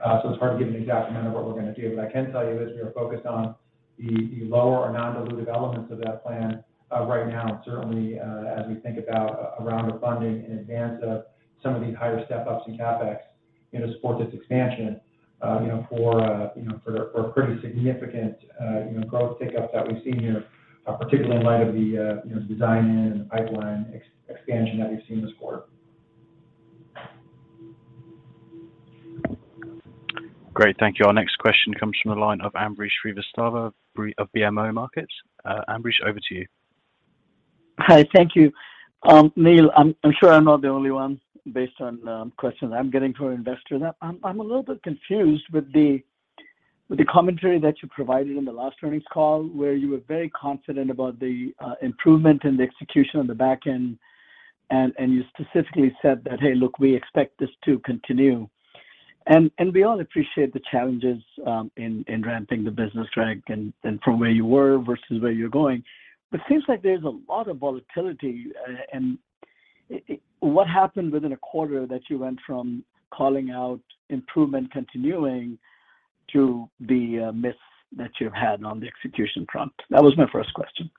It's hard to give an exact amount of what we're gonna do. I can tell you is we are focused on the lower or non-dilutive elements of that plan, right now, and certainly, as we think about a round of funding in advance of some of these higher step-ups in CapEx, you know, to support this expansion. You know, for a pretty significant growth pickup that we've seen here, particularly in light of the design-in and pipeline expansion that we've seen this quarter. Great. Thank you. Our next question comes from the line of Ambrish Srivastava of BMO Capital Markets. Ambrish, over to you. Hi. Thank you. Neill, I'm sure I'm not the only one, based on questions I'm getting from investors. I'm a little bit confused with the commentary that you provided in the last earnings call, where you were very confident about the improvement in the execution on the back end, and you specifically said that, "Hey, look, we expect this to continue." We all appreciate the challenges in ramping the business, Gregg, and from where you were versus where you're going. It seems like there's a lot of volatility, and what happened within a quarter that you went from calling out improvement continuing to the miss that you've had on the execution front? That was my first question.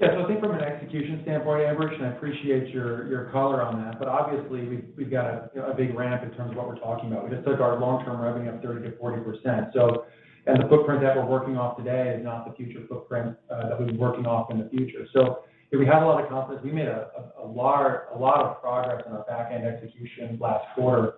Yeah. I think from an execution standpoint, Ambrish, and I appreciate your color on that, but obviously we've got a big ramp in terms of what we're talking about. We just took our long-term revenue up 30%-40%, so. The footprint that we're working off today is not the future footprint that we'll be working off in the future. You know, we have a lot of confidence. We made a lot of progress on our back-end execution last quarter.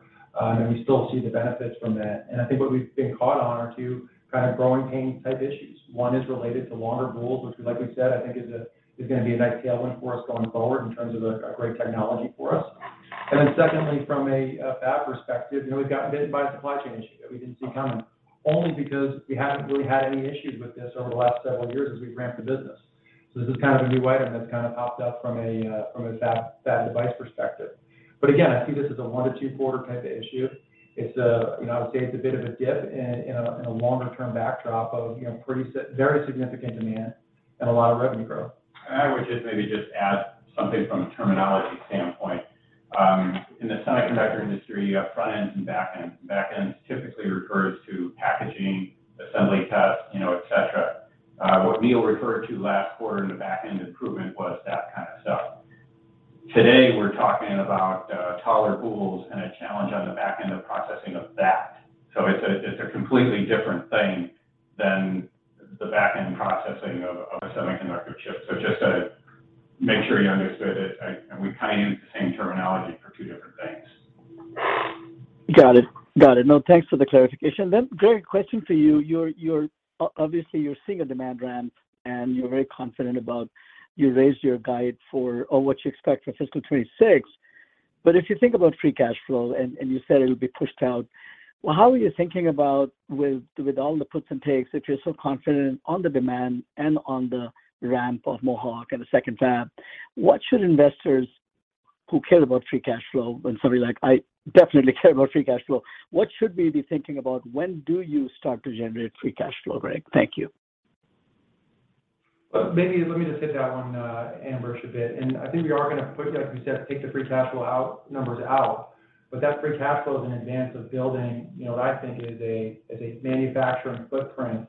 We still see the benefits from that. I think what we've been caught on are two kind of growing pain-type issues. One is related to longer boules, which, like we said, I think is gonna be a nice tailwind for us going forward in terms of a great technology for us. From a fab perspective, you know, we've gotten hit by a supply chain issue that we didn't see coming, only because we haven't really had any issues with this over the last several years as we've ramped the business. This is kind of a new item that's kind of popped up from a fab device perspective. Again, I see this as a one- to two-quarter type of issue. It's, you know, obviously a bit of a dip in a longer-term backdrop of, you know, very significant demand and a lot of revenue growth. I would just maybe just add something from a terminology standpoint. In the semiconductor industry, you have front end and back end. Back end typically refers to packaging, assembly tests, you know, et cetera. What Neill referred to last quarter in the back end improvement was that kind of stuff. Today, we're talking about taller boules and a challenge on the back end of processing of that. It's a completely different thing than the back-end processing of a semiconductor chip. Just to make sure you understood it, and we're kind of using the same terminology for two different things. Got it. No, thanks for the clarification. Gregg, question for you. You're obviously seeing a demand ramp, and you're very confident about. You raised your guide for, or what you expect for fiscal 2026. But if you think about free cash flow, and you said it would be pushed out, well, how are you thinking about with all the puts and takes, if you're so confident on the demand and on the ramp of Mohawk and the second fab, what should investors who care about free cash flow, and somebody like I definitely care about free cash flow, what should we be thinking about when do you start to generate free cash flow, Gregg? Thank you. Maybe let me just hit that one, Ambrish a bit. I think we are gonna push, like we said, take the free cash flow out, numbers out. But that free cash flow is an advance of building, you know, what I think is a manufacturing footprint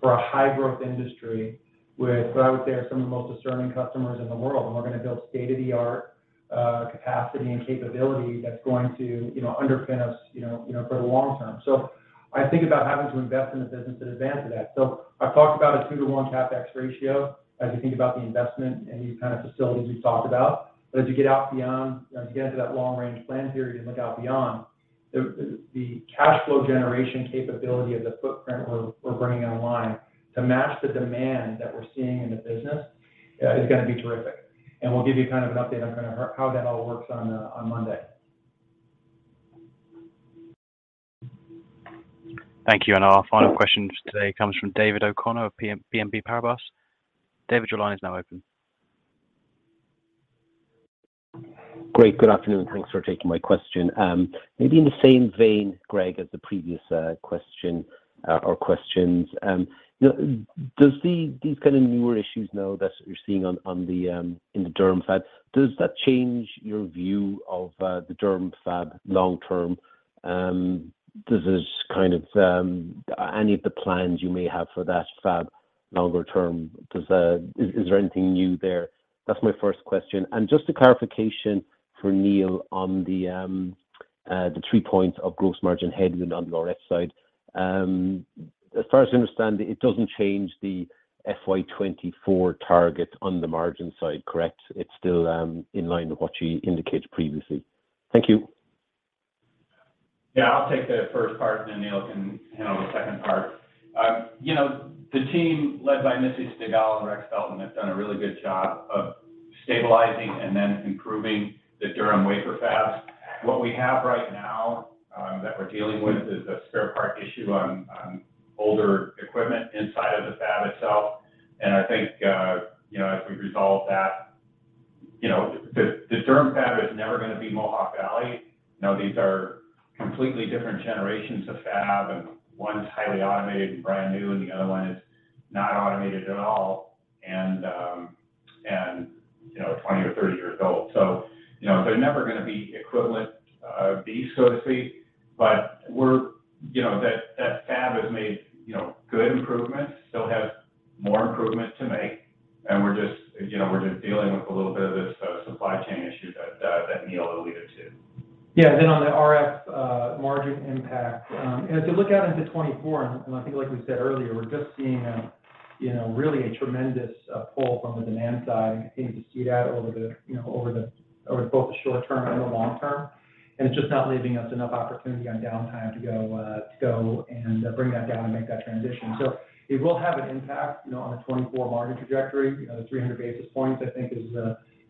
for a high growth industry with what I would say are some of the most discerning customers in the world, and we're gonna build state-of-the-art capacity and capability that's going to, you know, underpin us for the long term. I think about having to invest in a business in advance of that. I've talked about a 2/1 CapEx ratio as you think about the investment and new kind of facilities we've talked about. As you get out beyond, as you get into that long range plan period and look out beyond, the cash flow generation capability of the footprint we're bringing online to match the demand that we're seeing in the business is gonna be terrific. We'll give you kind of an update on kind of how that all works on Monday. Thank you. Our final question for today comes from David O'Connor of BNP Paribas. David, your line is now open. Great. Good afternoon. Thanks for taking my question. Maybe in the same vein, Gregg, as the previous question or questions, you know, these kind of newer issues now that you're seeing on the in the Durham fab, does that change your view of the Durham fab long term? Does this kind of any of the plans you may have for that fab longer term, is there anything new there? That's my first question. Just a clarification for Neill on the three points of gross margin headroom on the RF side. As far as I understand, it doesn't change the FY 2024 target on the margin side, correct? It's still in line with what you indicated previously. Thank you. Yeah. I'll take the first part, and then Neill can handle the second part. You know, the team led by Missy Stigall and Rex Felton have done a really good job of stabilizing and then improving the Durham wafer fabs. What we have right now that we're dealing with is a spare part issue on older equipment inside of the fab itself. I think, you know, as we resolve that, you know, the Durham fab is never gonna be Mohawk Valley. You know, these are completely different generations of fab, and one's highly automated and brand new, and the other one is not automated at all and, you know, 20 or 30 years old. You know, they're never gonna be equivalent beasts, so to speak. You know, that fab has made, you know, good improvements, still has more improvement to make, and we're just, you know, we're just dealing with a little bit of this supply chain issue that Neill alluded to. Yeah. On the RF margin impact, as we look out into 2024, and I think like we said earlier, we're just seeing you know really a tremendous pull from the demand side and continuing to see that over you know over both the short term and the long term. It's just not leaving us enough opportunity on downtime to go and bring that down and make that transition. It will have an impact you know on the 2024 margin trajectory. You know the 300 basis points I think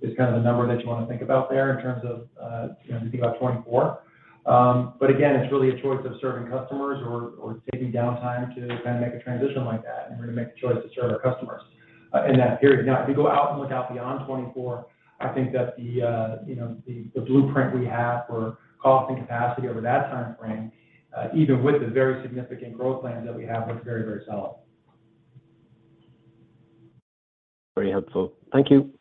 is kind of the number that you wanna think about there in terms of you know as you think about 2024. Again, it's really a choice of serving customers or taking downtime to kind of make a transition like that, and we're gonna make the choice to serve our customers in that period. Now, if you go out and look out beyond 2024, I think that the, you know, blueprint we have for cost and capacity over that time frame, even with the very significant growth plans that we have, looks very, very solid. Very helpful. Thank you.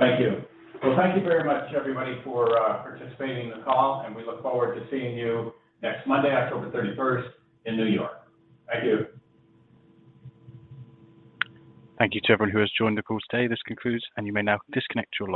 Thank you. Well, thank you very much, everybody, for participating in the call, and we look forward to seeing you next Monday, October 31st in New York. Thank you. Thank you to everyone who has joined the call today. This concludes, and you may now disconnect your line.